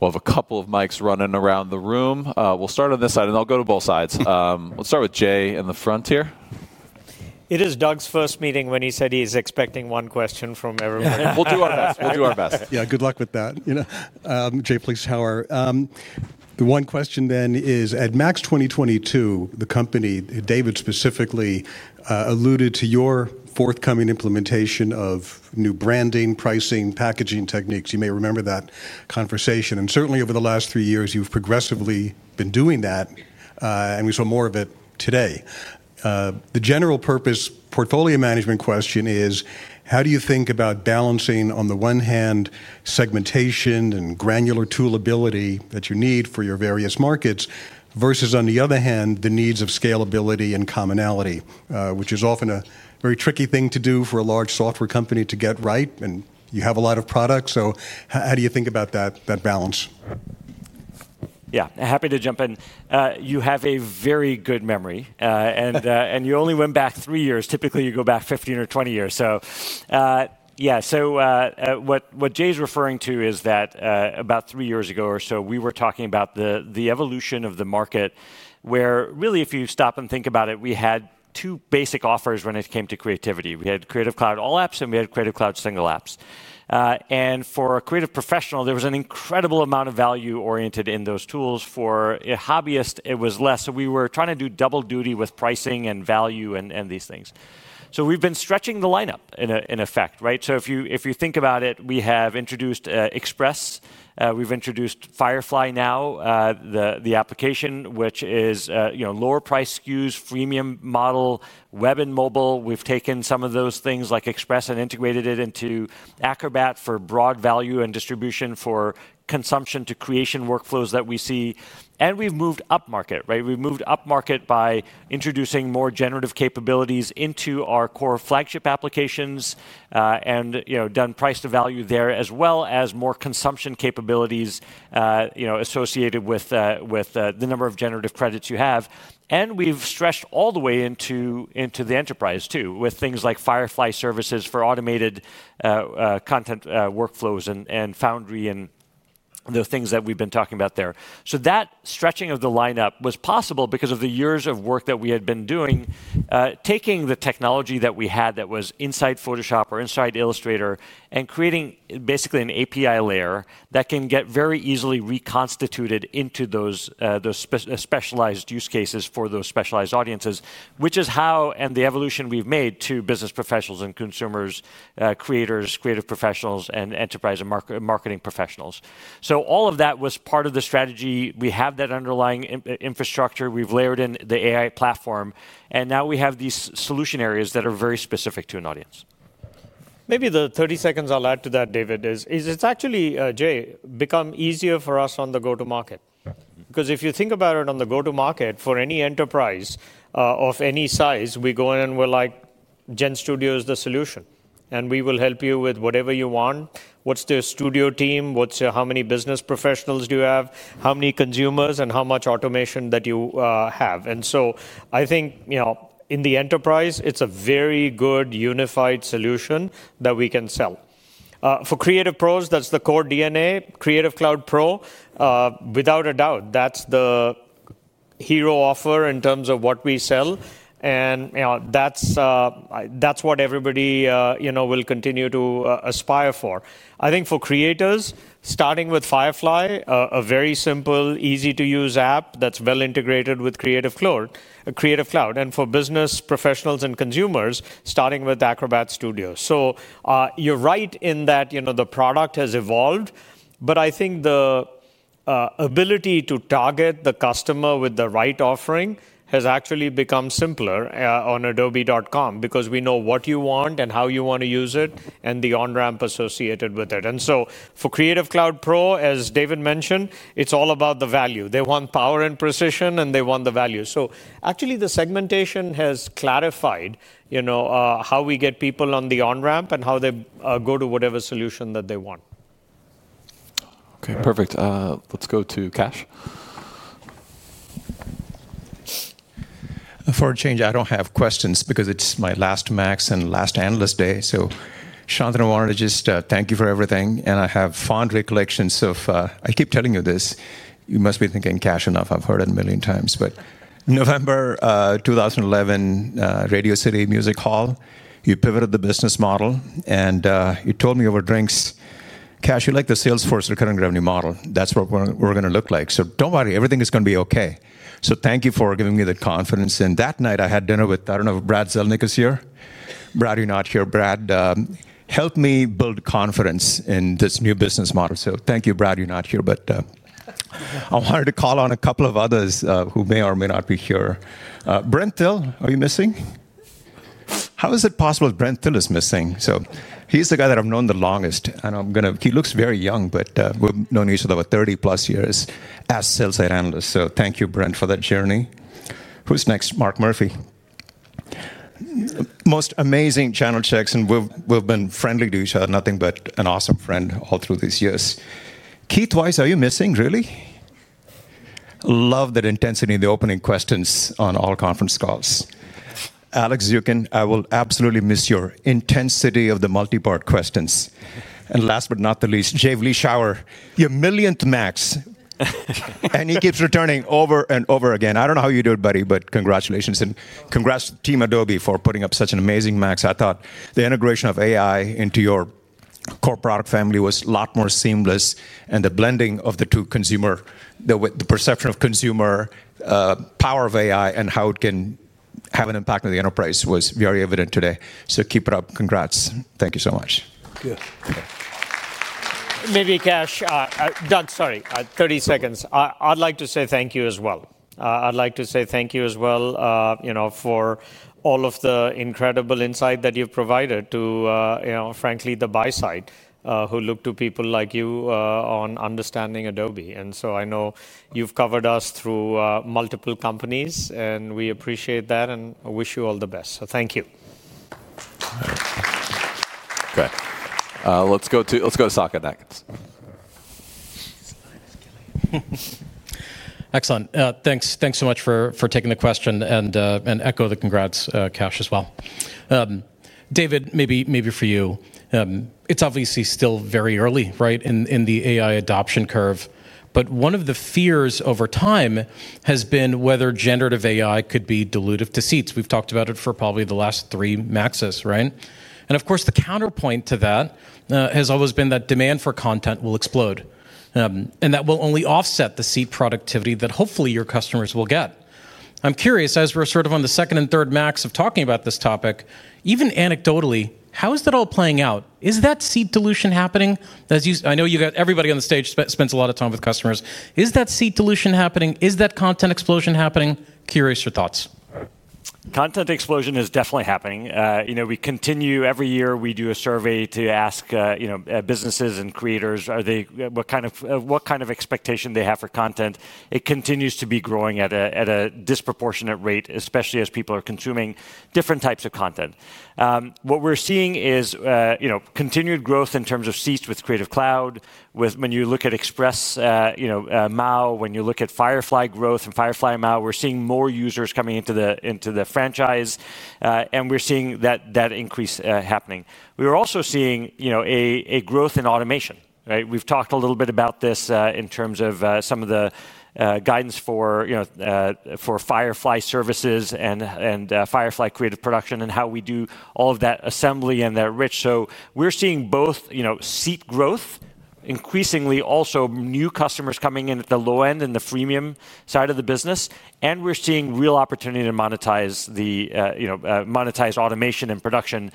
We'll have a couple of mics running around the room. We'll start on this side, and I'll go to both sides. Let's start with Jay in the front here. It is Doug's first meeting when he said he's expecting one question from everyone. We'll do our best. We'll do our best. Yeah, good luck with that. Jay, [please tower]. The one question then is, at Max 2022, the company, David specifically, alluded to your forthcoming implementation of new branding, pricing, packaging techniques. You may remember that conversation. Certainly, over the last three years, you've progressively been doing that. We saw more of it today. The general purpose portfolio management question is, how do you think about balancing, on the one hand, segmentation and granular toolability that you need for your various markets versus, on the other hand, the needs of scalability and commonality, which is often a very tricky thing to do for a large software company to get right? You have a lot of products. How do you think about that balance? Yeah, happy to jump in. You have a very good memory. You only went back three years. Typically, you go back 15 or 20 years. What Jay's referring to is that about three years ago or so, we were talking about the evolution of the market, where really, if you stop and think about it, we had two basic offers when it came to creativity. We had Creative Cloud All Apps, and we had Creative Cloud Single Apps. For a creative professional, there was an incredible amount of value oriented in those tools. For hobbyists, it was less. We were trying to do double duty with pricing and value and these things. We have been stretching the lineup, in effect. If you think about it, we have introduced Express. We've introduced Firefly now, the application, which is lower price SKUs, freemium model, web and mobile. We've taken some of those things like Express and integrated it into Acrobat for broad value and distribution for consumption to creation workflows that we see. We've moved up market. We've moved up market by introducing more generative capabilities into our core flagship applications and done price to value there, as well as more consumption capabilities associated with the number of generative credits you have. We've stretched all the way into the enterprise, too, with things like Firefly Services for automated content workflows and Firefly Foundry and the things that we've been talking about there. That stretching of the lineup was possible because of the years of work that we had been doing, taking the technology that we had that was inside Photoshop or inside Illustrator and creating basically an API layer that can get very easily reconstituted into those specialized use cases for those specialized audiences, which is how and the evolution we've made to business professionals and consumers, creators, creative professionals, and enterprise and marketing professionals. All of that was part of the strategy. We have that underlying infrastructure. We've layered in the AI platform. Now we have these solution areas that are very specific to an audience. Maybe the 30 seconds I'll add to that, David, is it's actually, Jay, become easier for us on the go-to-market. Because if you think about it on the go-to-market for any enterprise of any size, we go in and we're like, GenStudio is the solution. We will help you with whatever you want. What's the studio team? How many business professionals do you have? How many consumers? How much automation do you have? I think in the enterprise, it's a very good unified solution that we can sell. For creative pros, that's the core DNA. Creative Cloud Pro, without a doubt, that's the hero offer in terms of what we sell. That's what everybody will continue to aspire for. I think for creators, starting with Firefly, a very simple, easy-to-use app that's well integrated with Creative Cloud. For business professionals and consumers, starting with Acrobat Studio. You're right in that the product has evolved. I think the ability to target the customer with the right offering has actually become simpler on Adobe.com because we know what you want and how you want to use it and the on-ramp associated with it. For Creative Cloud Pro, as David mentioned, it's all about the value. They want power and precision, and they want the value. Actually, the segmentation has clarified how we get people on the on-ramp and how they go to whatever solution that they want. OK, perfect. Let's go to Kash. For a change, I don't have questions because it's my last Max and last analyst day. Shantanu, I wanted to just thank you for everything. I have fond recollections of, I keep telling you this, you must be thinking, Kash, enough. I've heard it a million times. November 2011, Radio City Music Hall, you pivoted the business model. You told me over drinks, Kash, you like the Salesforce recurring revenue model. That's what we're going to look like. Don't worry. Everything is going to be OK. Thank you for giving me the confidence. That night, I had dinner with, I don't know if Brad Zelnick is here. Brad, you're not here. Brad helped me build confidence in this new business model. Thank you, Brad, you're not here. I wanted to call on a couple of others who may or may not be here. Brent Thill, are you missing? How is it possible that Brent Thill is missing? He's the guy that I've known the longest. He looks very young, but we've known each other over 30+ years as sales analysts. Thank you, Brent, for that journey. Who's next? Mark Murphy. Most amazing channel checks. We've been friendly to each other, nothing but an awesome friend all through these years. Keith Weiss, are you missing, really? Love that intensity in the opening questions on all conference calls. Alex Zukin, I will absolutely miss your intensity of the multi-part questions. Last but not the least, Jay Vleeschhouwer, your millionth Max. He keeps returning over and over again. I don't know how you do it, buddy, but congratulations. Congrats to Team Adobe for putting up such an amazing Max. I thought the integration of AI into your core product family was a lot more seamless. The blending of the two, consumer, the perception of consumer, power of AI, and how it can have an impact on the enterprise was very evident today. Keep it up. Congrats. Thank you so much. Maybe Kash, Doug, sorry, 30 seconds. I'd like to say thank you as well. I'd like to say thank you as well for all of the incredible insight that you've provided to, frankly, the buy side who look to people like you on understanding Adobe. I know you've covered us through multiple companies. We appreciate that and wish you all the best. Thank you. OK. Let's go to Saket next. Excellent. Thanks so much for taking the question. Echo the congrats, Kash, as well. David, maybe for you, it's obviously still very early in the AI adoption curve. One of the fears over time has been whether generative AI could be dilutive to seats. We've talked about it for probably the last three MAXes, right? The counterpoint to that has always been that demand for content will explode. That will only offset the seat productivity that hopefully your customers will get. I'm curious, as we're sort of on the second and third MAX of talking about this topic, even anecdotally, how is that all playing out? Is that seat dilution happening? I know everybody on the stage spends a lot of time with customers. Is that seat dilution happening? Is that content explosion happening? Curious your thoughts. Content explosion is definitely happening. We continue every year, we do a survey to ask businesses and creators what kind of expectation they have for content. It continues to be growing at a disproportionate rate, especially as people are consuming different types of content. What we're seeing is continued growth in terms of seats with Creative Cloud. When you look at Express MAO, when you look at Firefly growth and Firefly MAO, we're seeing more users coming into the franchise, and we're seeing that increase happening. We are also seeing a growth in automation. We've talked a little bit about this in terms of some of the guidance for Firefly Services and Firefly Creative Production and how we do all of that assembly and that rich. We're seeing both seat growth, increasingly, also new customers coming in at the low end and the freemium side of the business. We're seeing real opportunity to monetize automation and production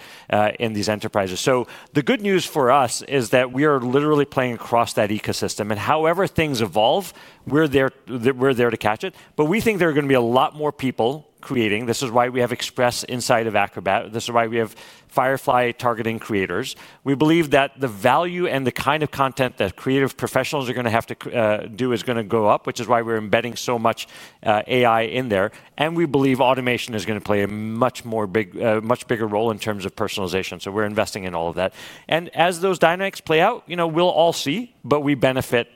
in these enterprises. The good news for us is that we are literally playing across that ecosystem. However things evolve, we're there to catch it. We think there are going to be a lot more people creating. This is why we have Express inside of Acrobat. This is why we have Firefly targeting creators. We believe that the value and the kind of content that creative professionals are going to have to do is going to go up, which is why we're embedding so much AI in there. We believe automation is going to play a much bigger role in terms of personalization. We're investing in all of that, and as those dynamics play out, we'll all see, but we benefit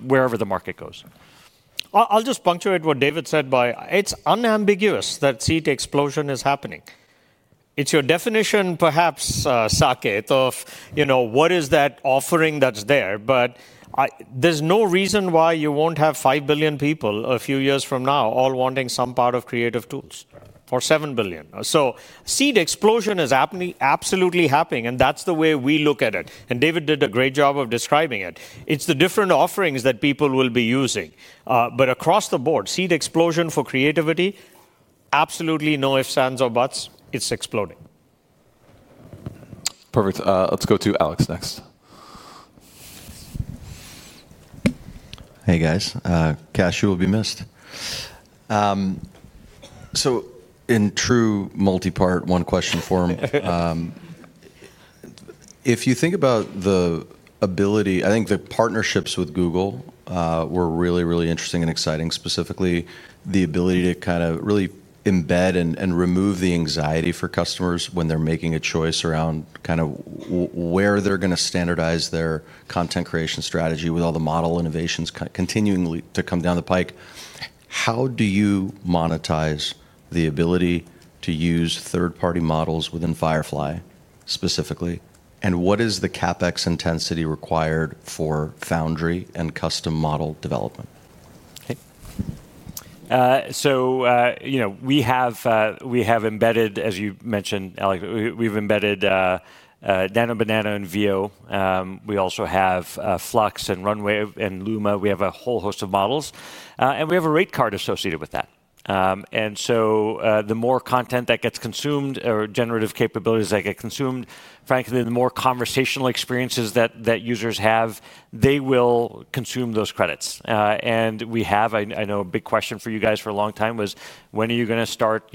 wherever the market goes. I'll just punctuate what David said by it's unambiguous that seat explosion is happening. It's your definition, perhaps, Saket, of what is that offering that's there. There's no reason why you won't have 5 billion people a few years from now all wanting some part of creative tools or 7 billion. Seat explosion is absolutely happening, and that's the way we look at it. David did a great job of describing it. It's the different offerings that people will be using. Across the board, seat explosion for creativity, absolutely no ifs, ands, or buts. It's exploding. Perfect. Let's go to Alex next. Hey, guys. Kash, you will be missed. In true multi-part one-question form, if you think about the ability, I think the partnerships with Google were really, really interesting and exciting, specifically the ability to kind of really embed and remove the anxiety for customers when they're making a choice around kind of where they're going to standardize their content creation strategy with all the model innovations continuing to come down the pike. How do you monetize the ability to use third-party models within Firefly, specifically? What is the CapEx intensity required for Foundry and custom model development? We have embedded, as you mentioned, Alex, we've embedded Veo. We also have Flux and Runway and Luma. We have a whole host of models, and we have a rate card associated with that. The more content that gets consumed or generative capabilities that get consumed, frankly, the more conversational experiences that users have, they will consume those credits. I know a big question for you guys for a long time was, when are you going to start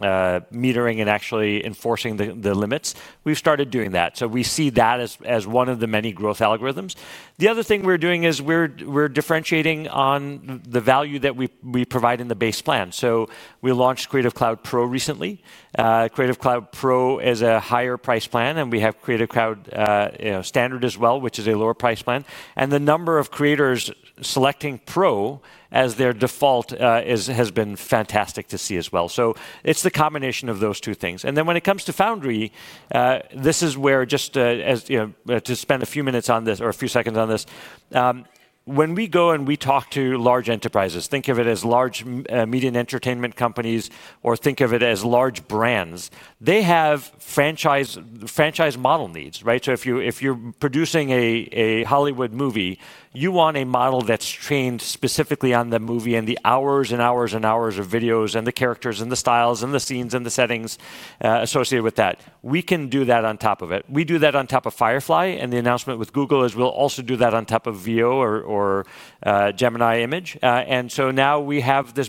metering and actually enforcing the limits? We've started doing that. We see that as one of the many growth algorithms. The other thing we're doing is we're differentiating on the value that we provide in the base plan. We launched Creative Cloud Pro recently. Creative Cloud Pro is a higher price plan, and we have Creative Cloud Standard as well, which is a lower price plan. The number of creators selecting Pro as their default has been fantastic to see as well. It's the combination of those two things. When it comes to Foundry, just to spend a few minutes on this or a few seconds on this, when we go and we talk to large enterprises, think of it as large media and entertainment companies, or think of it as large brands, they have franchise model needs. If you're producing a Hollywood movie, you want a model that's trained specifically on the movie and the hours and hours and hours of videos and the characters and the styles and the scenes and the settings associated with that. We can do that on top of it. We do that on top of Firefly. The announcement with Google is we'll also do that on top of Veo or Gemini Image. Now we have this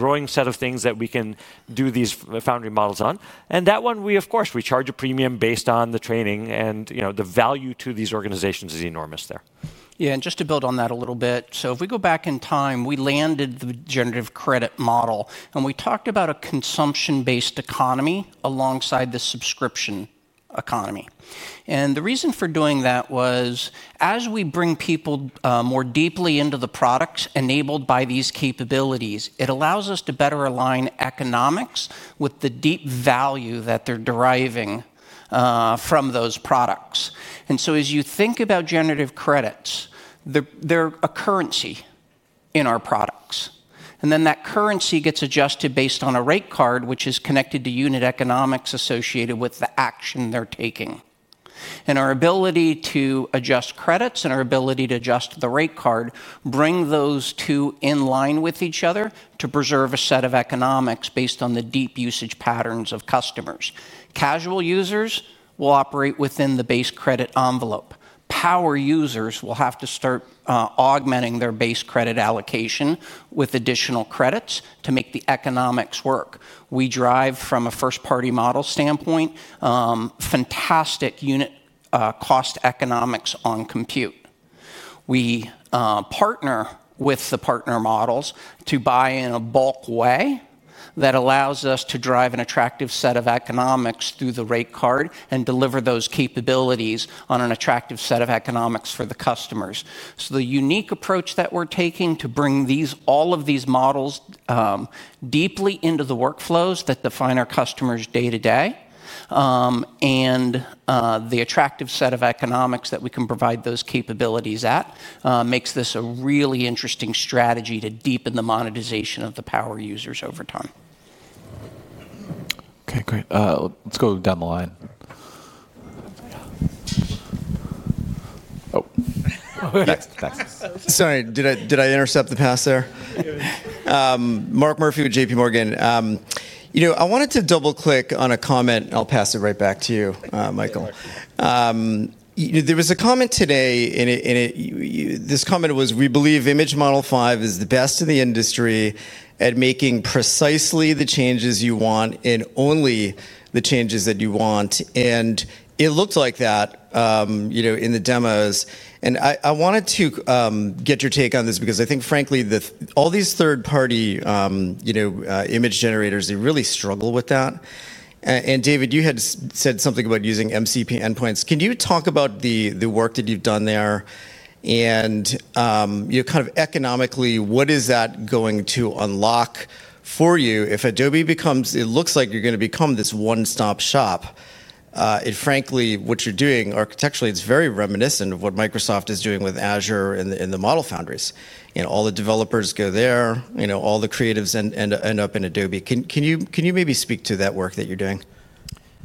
growing set of things that we can do these Foundry models on. That one, of course, we charge a premium based on the training, and the value to these organizations is enormous there. Yeah, just to build on that a little bit, if we go back in time, we landed the generative credit model. We talked about a consumption-based economy alongside the subscription economy. The reason for doing that was, as we bring people more deeply into the products enabled by these capabilities, it allows us to better align economics with the deep value that they're deriving from those products. As you think about generative credits, they're a currency in our products. That currency gets adjusted based on a rate card, which is connected to unit economics associated with the action they're taking. Our ability to adjust credits and our ability to adjust the rate card bring those two in line with each other to preserve a set of economics based on the deep usage patterns of customers. Casual users will operate within the base credit envelope. Power users will have to start augmenting their base credit allocation with additional credits to make the economics work. We drive, from a first-party model standpoint, fantastic unit cost economics on compute. We partner with the partner models to buy in a bulk way that allows us to drive an attractive set of economics through the rate card and deliver those capabilities on an attractive set of economics for the customers. The unique approach that we're taking to bring all of these models deeply into the workflows that define our customers day to day and the attractive set of economics that we can provide those capabilities at makes this a really interesting strategy to deepen the monetization of the power users over time. OK, great. Let's go down the line. Sorry, did I intercept the pass there? Mark Murphy with JPMorgan. I wanted to double-click on a comment. I'll pass it right back to you, Michael. There was a comment today. This comment was, we believe Image Model 5 is the best in the industry at making precisely the changes you want and only the changes that you want. It looked like that in the demos. I wanted to get your take on this because I think, frankly, all these third-party image generators really struggle with that. David, you had said something about using MCP endpoints. Can you talk about the work that you've done there? Kind of economically, what is that going to unlock for you? If Adobe becomes, it looks like you're going to become this one-stop shop. Frankly, what you're doing, architecturally, it's very reminiscent of what Microsoft is doing with Azure and the Model Foundries. All the developers go there. All the creatives end up in Adobe. Can you maybe speak to that work that you're doing?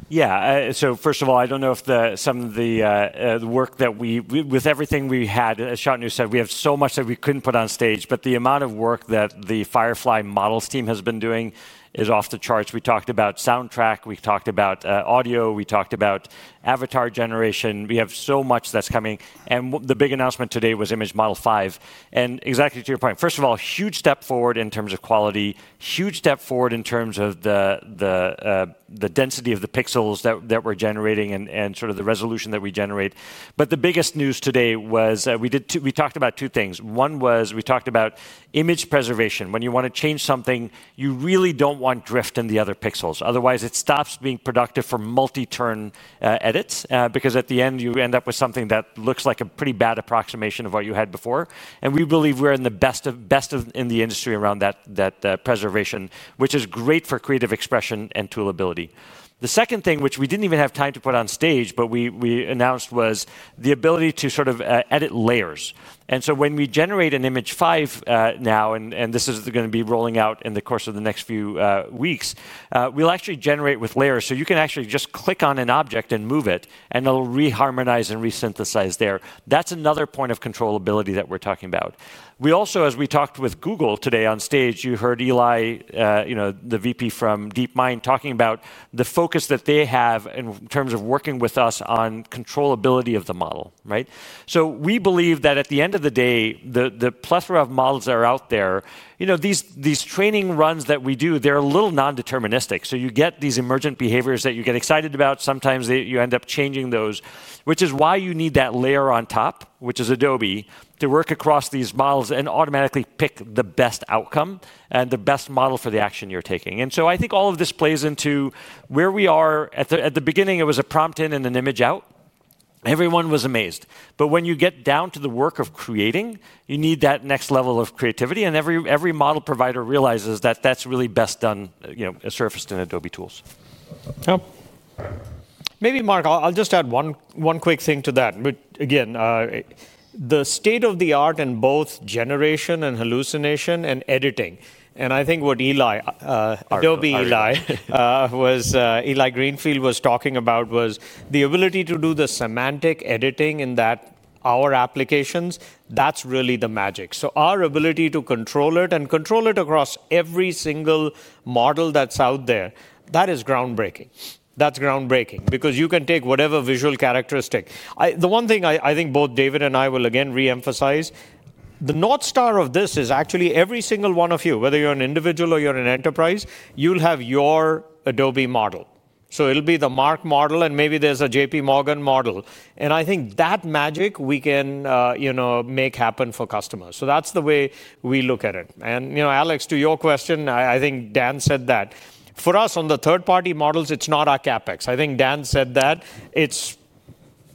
Yeah. First of all, I don't know if some of the work that we, with everything we had, as Shantanu said, we have so much that we couldn't put on stage. The amount of work that the Firefly Models team has been doing is off the charts. We talked about soundtrack. We talked about audio. We talked about avatar generation. We have so much that's coming. The big announcement today was Image Model 5. Exactly to your point, first of all, huge step forward in terms of quality, huge step forward in terms of the density of the pixels that we're generating and the resolution that we generate. The biggest news today was we talked about two things. One was we talked about image preservation. When you want to change something, you really don't want drift in the other pixels. Otherwise, it stops being productive for multi-turn edits because at the end, you end up with something that looks like a pretty bad approximation of what you had before. We believe we're the best in the industry around that preservation, which is great for creative expression and toolability. The second thing, which we didn't even have time to put on stage but we announced, was the ability to edit layers. When we generate an Image 5 now, and this is going to be rolling out in the course of the next few weeks, we'll actually generate with layers. You can actually just click on an object and move it. It'll reharmonize and resynthesize there. That's another point of controllability that we're talking about. We also, as we talked with Google today on stage, you heard Eli, the VP from DeepMind, talking about the focus that they have in terms of working with us on controllability of the model. We believe that at the end of the day, the plethora of models that are out there, these training runs that we do, they're a little non-deterministic. You get these emergent behaviors that you get excited about. Sometimes you end up changing those, which is why you need that layer on top, which is Adobe, to work across these models and automatically pick the best outcome and the best model for the action you're taking. I think all of this plays into where we are. At the beginning, it was a prompt in and an image out. Everyone was amazed. When you get down to the work of creating, you need that next level of creativity. Every model provider realizes that that's really best done surfaced in Adobe Tools. Maybe, Mark, I'll just add one quick thing to that. Again, the state of the art in both generation and hallucination and editing, and I think what Adobe Eli Greenfield was talking about was the ability to do the semantic editing in our applications. That's really the magic. Our ability to control it and control it across every single model that's out there, that is groundbreaking. That's groundbreaking because you can take whatever visual characteristic. The one thing I think both David and I will again re-emphasize, the North Star of this is actually every single one of you, whether you're an individual or you're an enterprise, you'll have your Adobe model. It'll be the Mark model. Maybe there's a JPMorgan model. I think that magic we can make happen for customers. That's the way we look at it. Alex, to your question, I think Dan said that. For us, on the third-party models, it's not our CapEx. I think Dan said that it's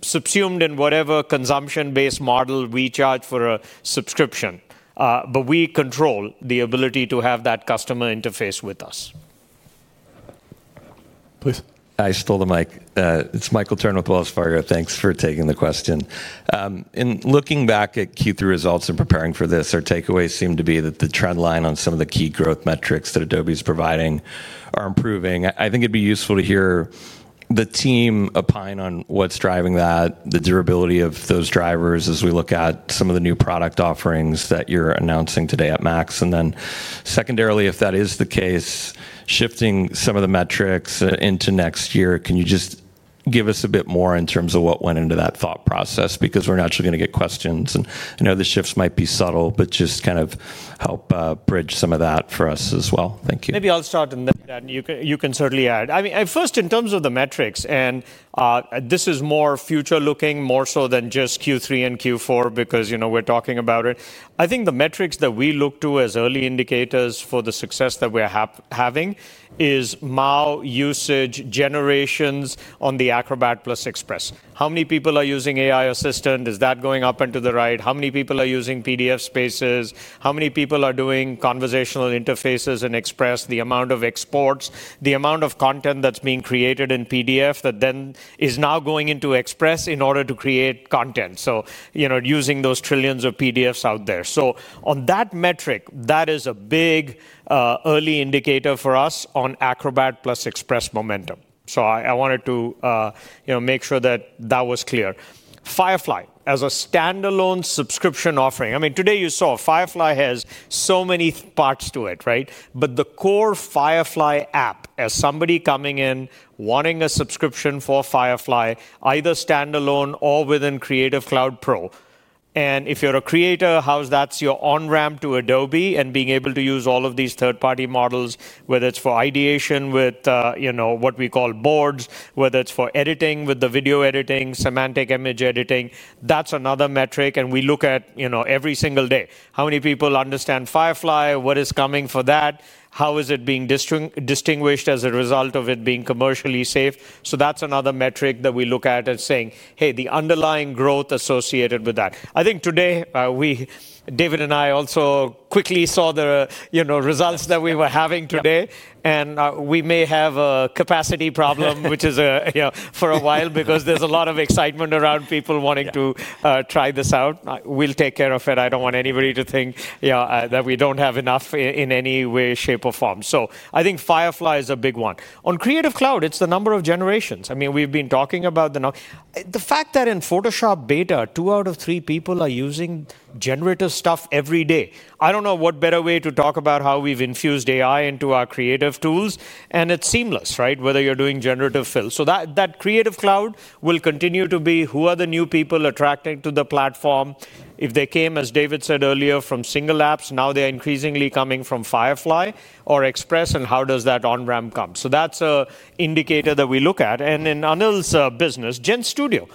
subsumed in whatever consumption-based model we charge for a subscription. We control the ability to have that customer interface with us. Please. I just hold the mic. It's Michael Turrin with Wells Fargo. Thanks for taking the question. In looking back at Q3 results and preparing for this, our takeaways seem to be that the trend line on some of the key growth metrics that Adobe is providing are improving. I think it'd be useful to hear the team opine on what's driving that, the durability of those drivers as we look at some of the new product offerings that you're announcing today at Max. Secondarily, if that is the case, shifting some of the metrics into next year, can you just give us a bit more in terms of what went into that thought process? Because we're naturally going to get questions. I know the shifts might be subtle, but just kind of help bridge some of that for us as well. Thank you. Maybe I'll start. You can certainly add. First, in terms of the metrics, and this is more future-looking, more so than just Q3 and Q4 because we're talking about it. I think the metrics that we look to as early indicators for the success that we're having is MAO usage, generations on the Acrobat plus Express. How many people are using Acrobat AI Assistant? Is that going up and to the right? How many people are using PDF spaces? How many people are doing conversational interfaces in Express? The amount of exports, the amount of content that's being created in PDF that then is now going into Express in order to create content. Using those trillions of PDFs out there, on that metric, that is a big early indicator for us on Acrobat plus Express momentum. I wanted to make sure that was clear. Firefly as a standalone subscription offering, today you saw Firefly has so many parts to it. The core Firefly app, as somebody coming in wanting a subscription for Firefly, either standalone or within Creative Cloud Pro, if you're a creator, that's your on-ramp to Adobe and being able to use all of these third-party models, whether it's for ideation with what we call boards, whether it's for editing, with the video editing, semantic image editing. That's another metric, and we look at every single day. How many people understand Firefly? What is coming for that? How is it being distinguished as a result of it being commercially safe? That's another metric that we look at as saying, hey, the underlying growth associated with that. I think today, David and I also quickly saw the results that we were having today, and we may have a capacity problem, which is a problem. Because there's a lot of excitement around people wanting to try this out, we'll take care of it. I don't want anybody to think that we don't have enough in any way, shape, or form. I think Firefly is a big one. On Creative Cloud, it's the number of generations. We've been talking about the fact that in Photoshop Beta, two out of three people are using generative stuff every day. I don't know what better way to talk about how we've infused AI into our creative tools. It's seamless, right? Whether you're doing generative fill, Creative Cloud will continue to be who are the new people attracted to the platform. If they came, as David said earlier, from single apps, now they're increasingly coming from Firefly or Express, and how does that on-ramp come? That's an indicator that we look at. In Anil's business, GenStudio.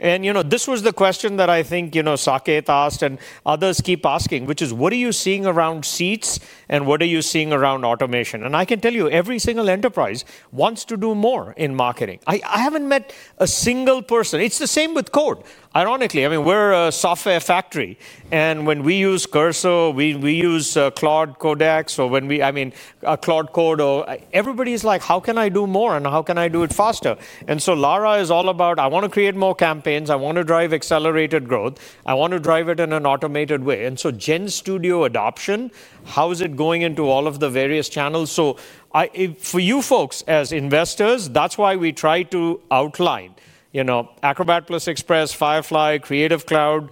This was the question that I think Saket asked and others keep asking, which is, what are you seeing around seats? What are you seeing around automation? I can tell you, every single enterprise wants to do more in marketing. I haven't met a single person. It's the same with code, ironically. We're a software factory. When we use Cursor, we use Claude Code, or everybody is like, how can I do more? How can I do it faster? Lara is all about, I want to create more campaigns. I want to drive accelerated growth. I want to drive it in an automated way. GenStudio adoption, how is it going into all of the various channels? For you folks as investors, that's why we try to outline Acrobat Plus Express, Firefly, Creative Cloud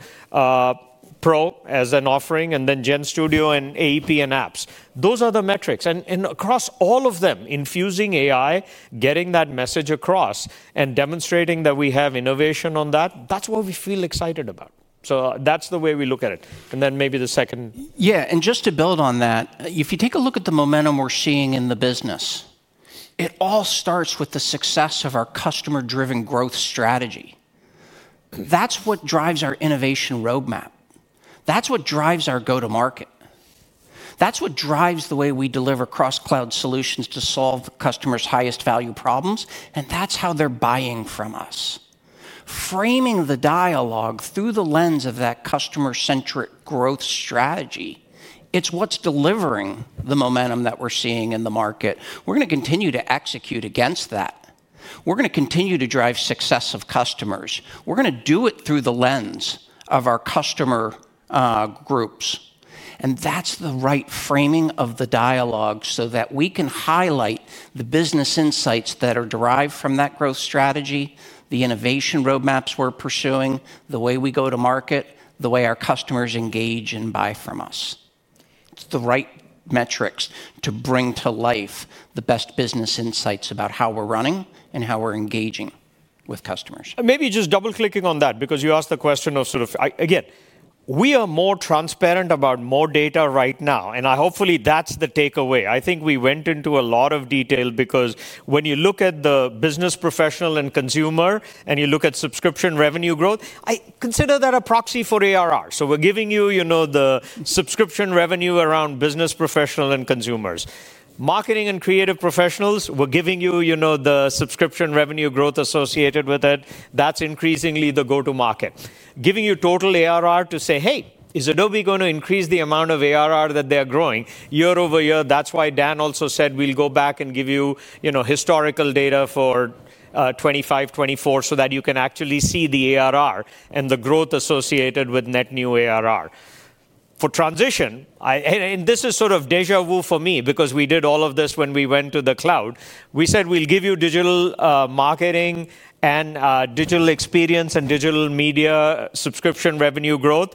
Pro as an offering, and then GenStudio and AP and apps. Those are the metrics. Across all of them, infusing AI, getting that message across, and demonstrating that we have innovation on that, that's what we feel excited about. That's the way we look at it. Maybe the second. Yeah, and just to build on that, if you take a look at the momentum we're seeing in the business, it all starts with the success of our customer-driven growth strategy. That's what drives our innovation roadmap. That's what drives our go-to-market. That's what drives the way we deliver cross-cloud solutions to solve the customer's highest value problems. That's how they're buying from us. Framing the dialogue through the lens of that customer-centric growth strategy, it's what's delivering the momentum that we're seeing in the market. We're going to continue to execute against that. We're going to continue to drive success of customers. We're going to do it through the lens of our customer groups. That's the right framing of the dialogue so that we can highlight the business insights that are derived from that growth strategy, the innovation roadmaps we're pursuing, the way we go to market, the way our customers engage and buy from us. It's the right metrics to bring to life the best business insights about how we're running and how we're engaging with customers. Maybe just double-clicking on that, because you asked the question of sort of, again, we are more transparent about more data right now. Hopefully, that's the takeaway. I think we went into a lot of detail because when you look at the business professional and consumer, and you look at subscription revenue growth, I consider that a proxy for ARR. We're giving you the subscription revenue around business professional and consumers. Marketing and creative professionals, we're giving you the subscription revenue growth associated with it. That's increasingly the go-to-market. Giving you total ARR to say, hey, is Adobe going to increase the amount of ARR that they are growing year over year? That's why Dan also said we'll go back and give you historical data for 2025, 2024 so that you can actually see the ARR and the growth associated with net new ARR. For transition, and this is sort of deja vu for me because we did all of this when we went to the cloud. We said we'll give you digital marketing and digital experience and digital media subscription revenue growth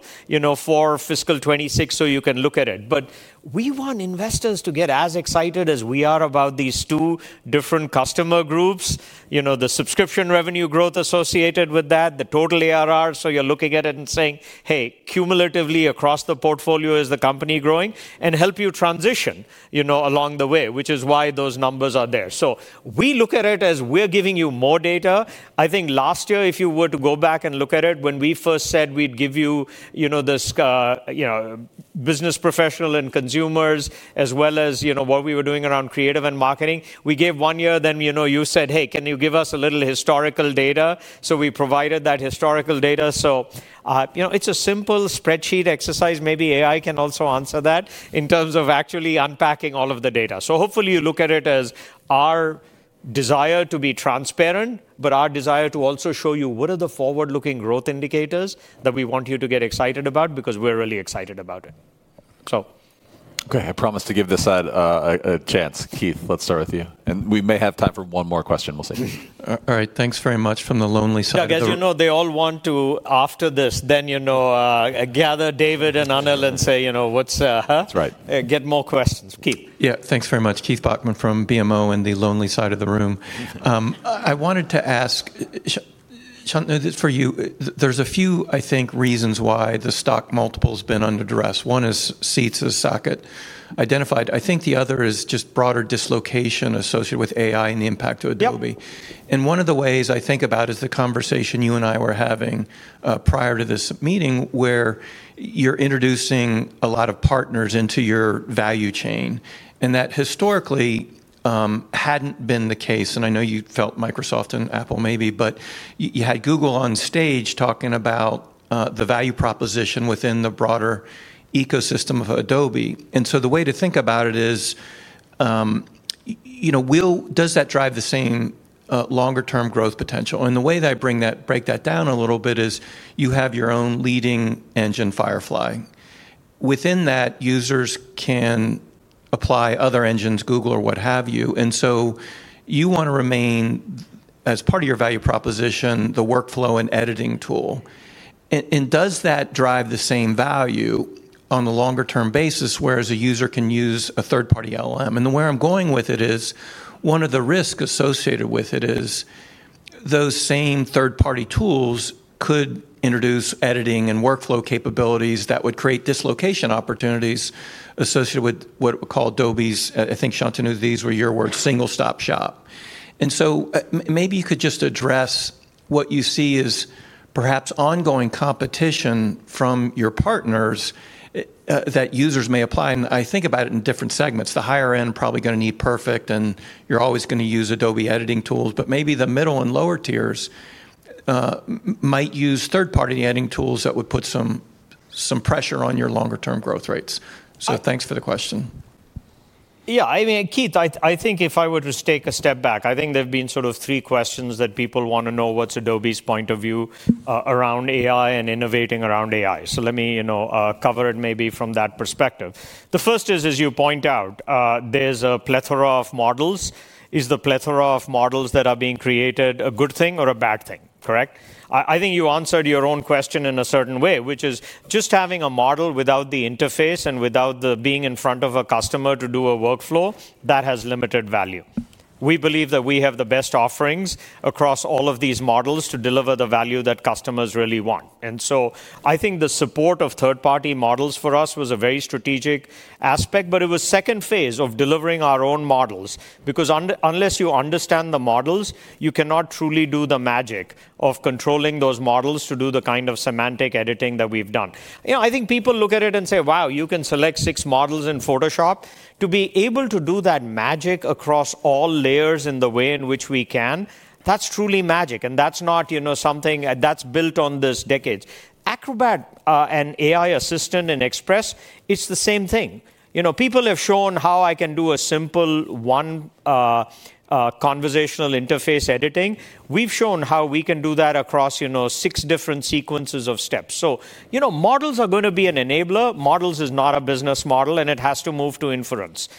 for fiscal 2026, so you can look at it. We want investors to get as excited as we are about these two different customer groups, the subscription revenue growth associated with that, the total ARR. You're looking at it and saying, hey, cumulatively across the portfolio, is the company growing? Help you transition along the way, which is why those numbers are there. We look at it as we're giving you more data. I think last year, if you were to go back and look at it, when we first said we'd give you the business professional and consumers, as well as what we were doing around creative and marketing, we gave one year. You said, hey, can you give us a little historical data? We provided that historical data. It's a simple spreadsheet exercise. Maybe AI can also answer that in terms of actually unpacking all of the data. Hopefully, you look at it as our desire to be transparent, but our desire to also show you what are the forward-looking growth indicators that we want you to get excited about because we're really excited about it. OK, I promise to give this a chance. Keith, let's start with you. We may have time for one more question. We'll see. All right, thanks very much from the lonely side. Yeah, because you know they all want to, after this, then gather David and Anil and say, what's that? That's right. Get more questions. Keith. Yeah, thanks very much. Keith Bachman from BMO in the lonely side of the room. I wanted to ask, Shantanu, for you, there's a few, I think, reasons why the stock multiple has been under duress. One is seats as Saket identified. I think the other is just broader dislocation associated with AI and the impact to Adobe. One of the ways I think about it is the conversation you and I were having prior to this meeting where you're introducing a lot of partners into your value chain. That historically hadn't been the case. I know you felt Microsoft and Apple maybe, but you had Google on stage talking about the value proposition within the broader ecosystem of Adobe. The way to think about it is, does that drive the same longer-term growth potential? The way that I break that down a little bit is you have your own leading engine, Firefly. Within that, users can apply other engines, Google or what have you. You want to remain, as part of your value proposition, the workflow and editing tool. Does that drive the same value on a longer-term basis, whereas a user can use a third-party LLM? Where I'm going with it is one of the risks associated with it is those same third-party tools could introduce editing and workflow capabilities that would create dislocation opportunities associated with what we call Adobe's, I think, Shantanu, these were your words, single-stop shop. Maybe you could just address what you see as perhaps ongoing competition from your partners that users may apply. I think about it in different segments. The higher end is probably going to need Perfect. You're always going to use Adobe editing tools. Maybe the middle and lower tiers might use third-party editing tools that would put some pressure on your longer-term growth rates. Thanks for the question. Yeah, I mean, Keith, I think if I were to take a step back, I think there have been sort of three questions that people want to know what's Adobe's point of view around AI and innovating around AI. Let me cover it maybe from that perspective. The first is, as you point out, there's a plethora of models. Is the plethora of models that are being created a good thing or a bad thing, correct? I think you answered your own question in a certain way, which is just having a model without the interface and without being in front of a customer to do a workflow, that has limited value. We believe that we have the best offerings across all of these models to deliver the value that customers really want. I think the support of third-party models for us was a very strategic aspect. It was the second phase of delivering our own models. Because unless you understand the models, you cannot truly do the magic of controlling those models to do the kind of semantic editing that we've done. I think people look at it and say, wow, you can select six models in Photoshop. To be able to do that magic across all layers in the way in which we can, that's truly magic. That's not something that's built on this decades. Acrobat and Acrobat AI Assistant and Express, it's the same thing. People have shown how I can do a simple one conversational interface editing. We've shown how we can do that across six different sequences of steps. Models are going to be an enabler. Models are not a business model. It has to move to inference.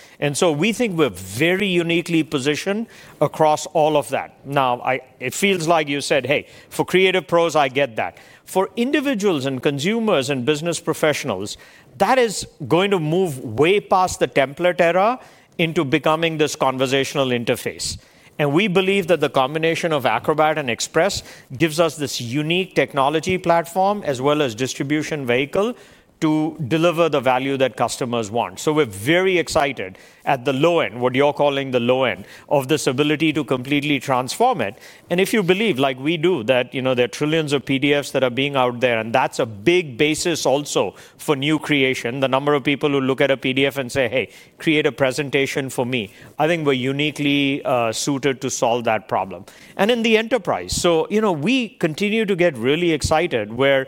We think we're very uniquely positioned across all of that. Now, it feels like you said, hey, for creative pros, I get that. For individuals and consumers and business professionals, that is going to move way past the template era into becoming this conversational interface. We believe that the combination of Acrobat and Express gives us this unique technology platform, as well as distribution vehicle to deliver the value that customers want. We're very excited at the low end, what you're calling the low end, of this ability to completely transform it. If you believe, like we do, that there are trillions of PDFs that are being out there, and that's a big basis also for new creation, the number of people who look at a PDF and say, hey, create a presentation for me, I think we're uniquely suited to solve that problem. In the enterprise, we continue to get really excited where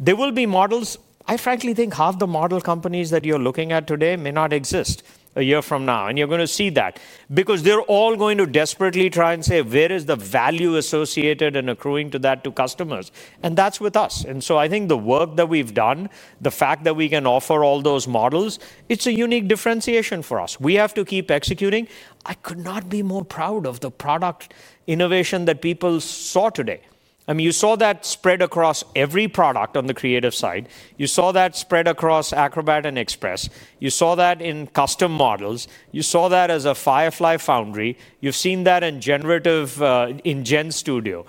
there will be models. I frankly think half the model companies that you're looking at today may not exist a year from now. You're going to see that because they're all going to desperately try and say, where is the value associated and accruing to that to customers? That's with us. I think the work that we've done, the fact that we can offer all those models, it's a unique differentiation for us. We have to keep executing. I could not be more proud of the product innovation that people saw today. You saw that spread across every product on the creative side. You saw that spread across Acrobat and Express. You saw that in custom models. You saw that as a Firefly Foundry. You've seen that in GenStudio.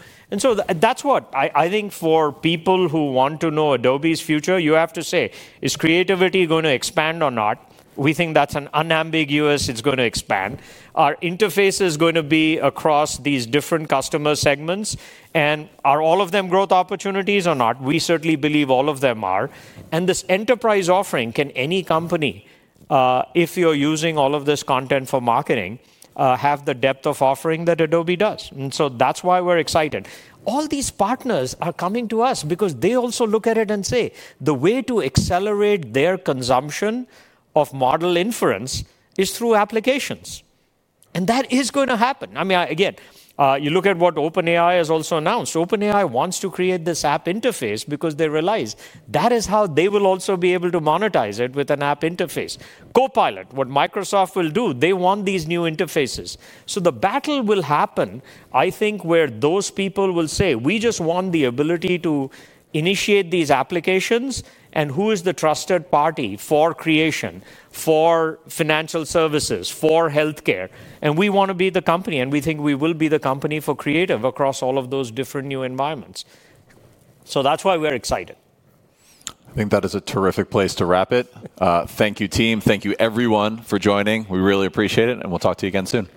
That's what I think for people who want to know Adobe's future, you have to say, is creativity going to expand or not? We think that's unambiguous. It's going to expand. Are interfaces going to be across these different customer segments? Are all of them growth opportunities or not? We certainly believe all of them are. This enterprise offering, can any company, if you're using all of this content for marketing, have the depth of offering that Adobe does? That's why we're excited. All these partners are coming to us because they also look at it and say, the way to accelerate their consumption of model inference is through applications. That is going to happen. You look at what OpenAI has also announced. OpenAI wants to create this app interface because they realize that is how they will also be able to monetize it with an app interface. Copilot, what Microsoft will do, they want these new interfaces. The battle will happen, I think, where those people will say, we just want the ability to initiate these applications. Who is the trusted party for creation, for financial services, for health care? We want to be the company. We think we will be the company for creative across all of those different new environments. That's why we're excited. I think that is a terrific place to wrap it. Thank you, team. Thank you, everyone, for joining. We really appreciate it. We will talk to you again soon.